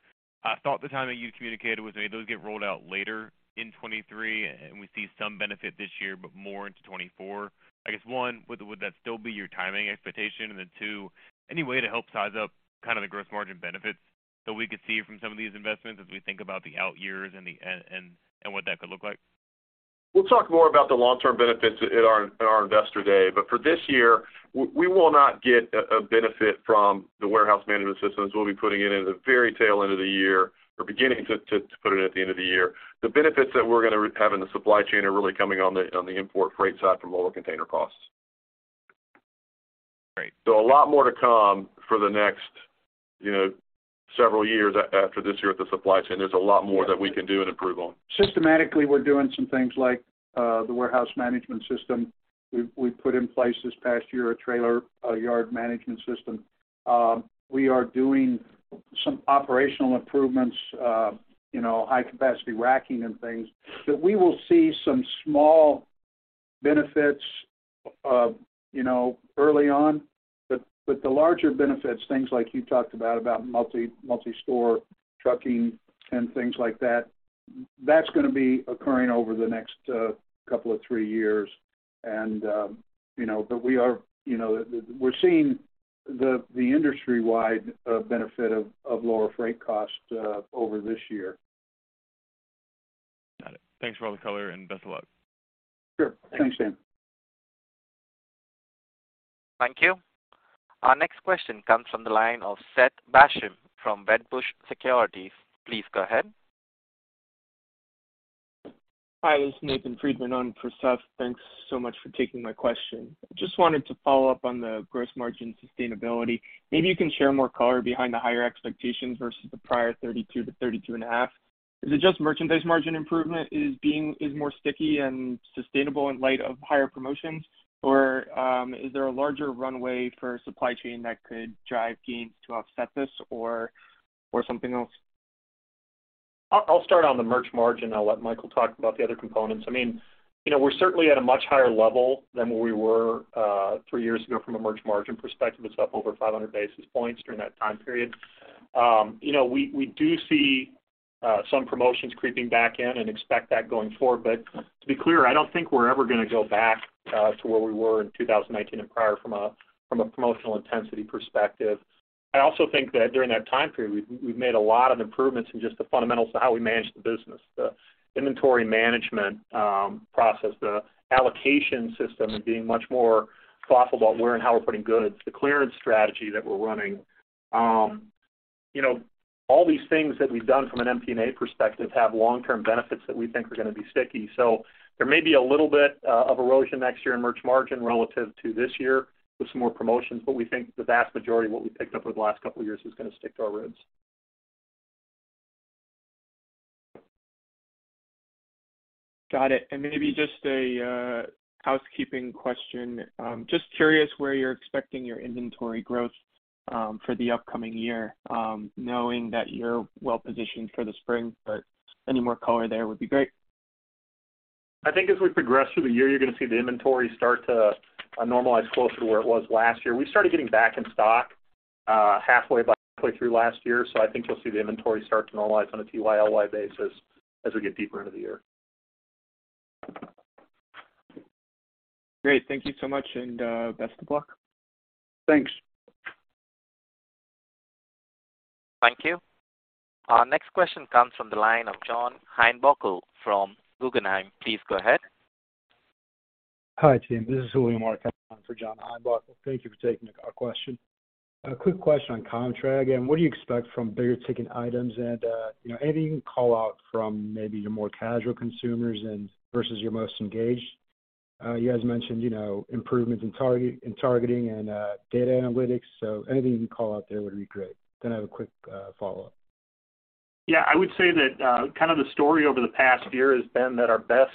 I thought the timing you communicated was maybe those get rolled out later in 2023, and we see some benefit this year, but more into 2024. I guess, one, would that still be your timing expectation? Two, any way to help size up kind of the gross margin benefits that we could see from some of these investments as we think about the out years and what that could look like? We'll talk more about the long-term benefits at our investor day. For this year, we will not get a benefit from the warehouse management systems. We'll be putting it in at the very tail end of the year or beginning to put it in at the end of the year. The benefits that we're gonna have in the supply chain are really coming on the import freight side from lower container costs. Great. A lot more to come for the next several years after this year with the supply chain. There's a lot more that we can do and improve on. Systematically, we're doing some things like the warehouse management system. We've put in place this past year a trailer, a yard management system. We are doing some operational improvements high capacity racking and things that we will see some small benefits early on. But the larger benefits, things like you talked about multi-store trucking and things like that's gonna be occurring over the next couple of three years. You know, we are we're seeing the industry-wide benefit of lower freight costs over this year. Got it. Thanks for all the color, best of luck. Sure. Thanks, Dan. Thank you. Our next question comes from the line of Seth Basham from Wedbush Securities. Please go ahead. Hi, this is Nathan Friedman on for Seth. Thanks so much for taking my question. Just wanted to follow up on the gross margin sustainability. Maybe you can share more color behind the higher expectations versus the prior 32%-32.5%. Is it just merchandise margin improvement is more sticky and sustainable in light of higher promotions? Or is there a larger runway for supply chain that could drive gains to offset this or something else? I'll start on the merch margin. I'll let Michael talk about the other components. I mean we're certainly at a much higher level than where we were 3 years ago from a merch margin perspective. It's up over 500 basis points during that time period. You know, we do see some promotions creeping back in and expect that going forward. To be clear, I don't think we're ever gonna go back to where we were in 2019 and prior from a promotional intensity perspective. I also think that during that time period, we've made a lot of improvements in just the fundamentals to how we manage the business. The inventory management process, the allocation system and being much more thoughtful about where and how we're putting goods, the clearance strategy that we're running. You know, all these things that we've done from an MP&A perspective have long-term benefits that we think are gonna be sticky. There may be a little bit of erosion next year in merch margin relative to this year with some more promotions, but we think the vast majority of what we picked up over the last couple of years is gonna stick to our ribs. Got it. Maybe just a housekeeping question. Just curious where you're expecting your inventory growth for the upcoming year, knowing that you're well positioned for the spring, but any more color there would be great. I think as we progress through the year, you're gonna see the inventory start to normalize closer to where it was last year. We started getting back in stock, about halfway through last year. I think you'll see the inventory start to normalize on a TYLY basis as we get deeper into the year. Great. Thank you so much, and, best of luck. Thanks. Thank you. Our next question comes from the line of John Heinbockel from Guggenheim. Please go ahead. Hi, team. This is William Ark on for John Heinbockel. Thank you for taking our question. A quick question on comp track and what do you expect from bigger ticket items and anything you can call out from maybe your more casual consumers and versus your most engaged? You guys mentioned improvements in targeting and data analytics. Anything you can call out there would be great. I have a quick follow-up. Yeah, I would say that, kind of the story over the past year has been that our best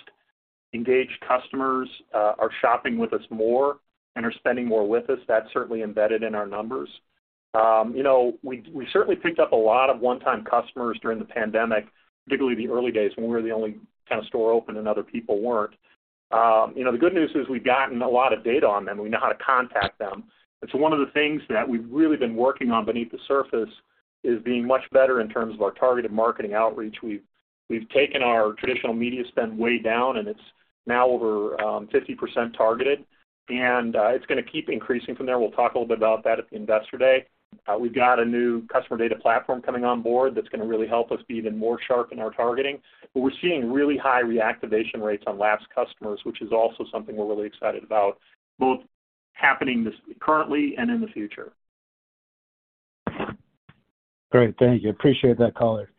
engaged customers, are shopping with us more and are spending more with us. That's certainly embedded in our numbers. You know, we certainly picked up a lot of one-time customers during the pandemic, particularly the early days when we were the only kind of store open and other people weren't. You know, the good news is we've gotten a lot of data on them. We know how to contact them. One of the things that we've really been working on beneath the surface is being much better in terms of our targeted marketing outreach. We've, we've taken our traditional media spend way down, and it's now over 50% targeted, and it's gonna keep increasing from there. We'll talk a little bit about that at the investor day. We've got a new customer data platform coming on board that's gonna really help us be even more sharp in our targeting. We're seeing really high reactivation rates on lapsed customers, which is also something we're really excited about, both happening currently and in the future. Great. Thank you. Appreciate that color.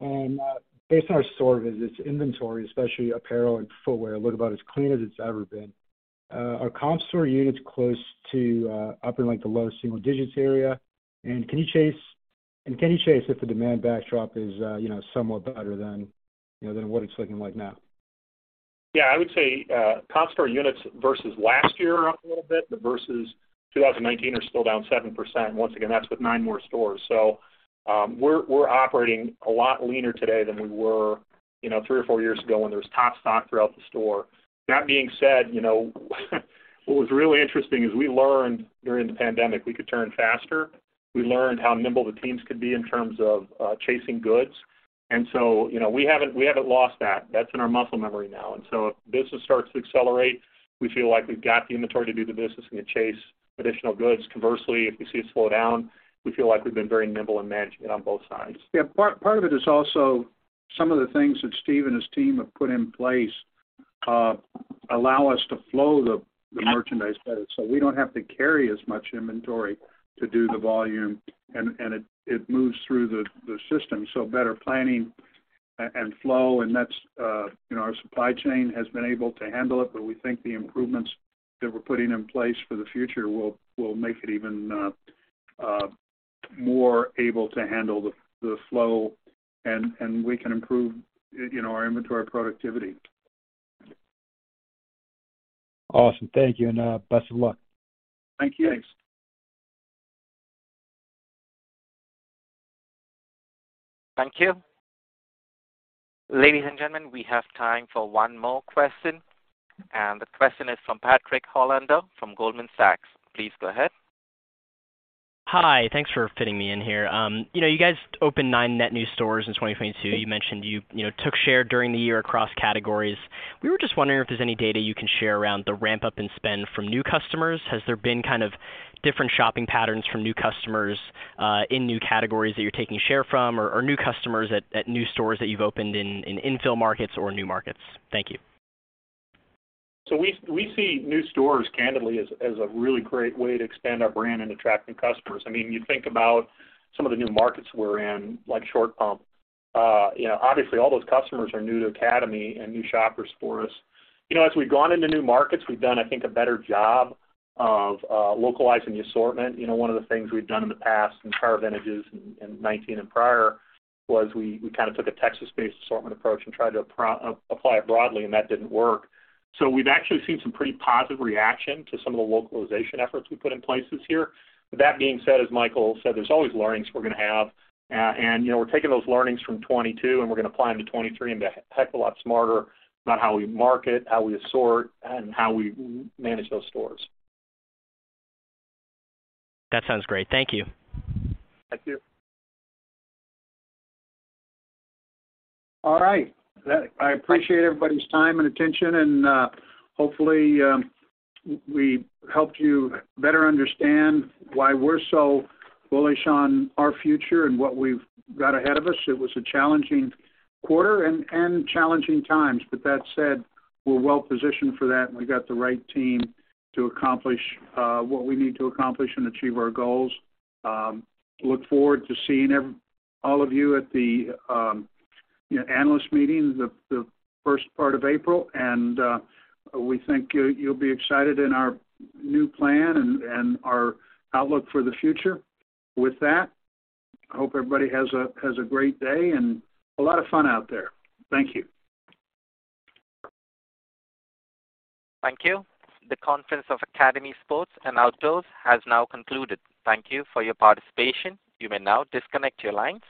Based on our store visits, inventory, especially apparel and footwear, look about as clean as it's ever been. Are comp store units close to up in like the low single digits area? Can you chase if the demand backdrop is somewhat better than than what it's looking like now? Yeah. I would say, comp store units versus last year are up a little bit, but versus 2019 are still down 7%. Once again, that's with nine more stores. We're operating a lot leaner today than we were three or four years ago when there was top stock throughout the store. That being said what was really interesting is we learned during the pandemic, we could turn faster. We learned how nimble the teams could be in terms of chasing goods. You know, we haven't lost that. That's in our muscle memory now. If business starts to accelerate, we feel like we've got the inventory to do the business and to chase additional goods. Conversely, if we see it slow down, we feel like we've been very nimble in managing it on both sides. Yeah, part of it is also some of the things that Steve and his team have put in place, allow us to flow the merchandise better so we don't have to carry as much inventory to do the volume, and it moves through the system, so better planning and flow. that's our supply chain has been able to handle it, but we think the improvements that we're putting in place for the future will make it even more able to handle the flow and we can improve our inventory productivity. Awesome. Thank you, and best of luck. Thank you. Thanks. Thank you. Ladies and gentlemen, we have time for one more question, and the question is from Patrick Holland from Goldman Sachs. Please go ahead. Hi. Thanks for fitting me in here. You know, you guys opened nine net new stores in 2022. You mentioned you know, took share during the year across categories. We were just wondering if there's any data you can share around the ramp-up in spend from new customers. Has there been kind of different shopping patterns from new customers, in new categories that you're taking share from or new customers at new stores that you've opened in infill markets or new markets? Thank you. We see new stores candidly as a really great way to expand our brand and attract new customers. I mean, you think about some of the new markets we're in, like Short Pump obviously all those customers are new to Academy and new shoppers for us. You know, as we've gone into new markets, we've done, I think, a better job of localizing the assortment. You know, one of the things we've done in the past in prior vintages, in 19 and prior, was we kinda took a Texas-based assortment approach and tried to apply it broadly, and that didn't work. We've actually seen some pretty positive reaction to some of the localization efforts we've put in place this year. That being said, as Michael said, there's always learnings we're gonna have. You know, we're taking those learnings from 22, and we're gonna apply them to 23 and be a heck of a lot smarter about how we market, how we assort, and how we manage those stores. That sounds great. Thank you. Thank you. All right. I appreciate everybody's time and attention and, hopefully, we helped you better understand why we're so bullish on our future and what we've got ahead of us. It was a challenging quarter and challenging times. That said, we're well-positioned for that, and we've got the right team to accomplish what we need to accomplish and achieve our goals. Look forward to seeing all of you at the analyst meeting the first part of April, and we think you'll be excited in our new plan and our outlook for the future. With that, I hope everybody has a great day and a lot of fun out there. Thank you. Thank you. The conference of Academy Sports and Outdoors has now concluded. Thank you for your participation. You may now disconnect your line.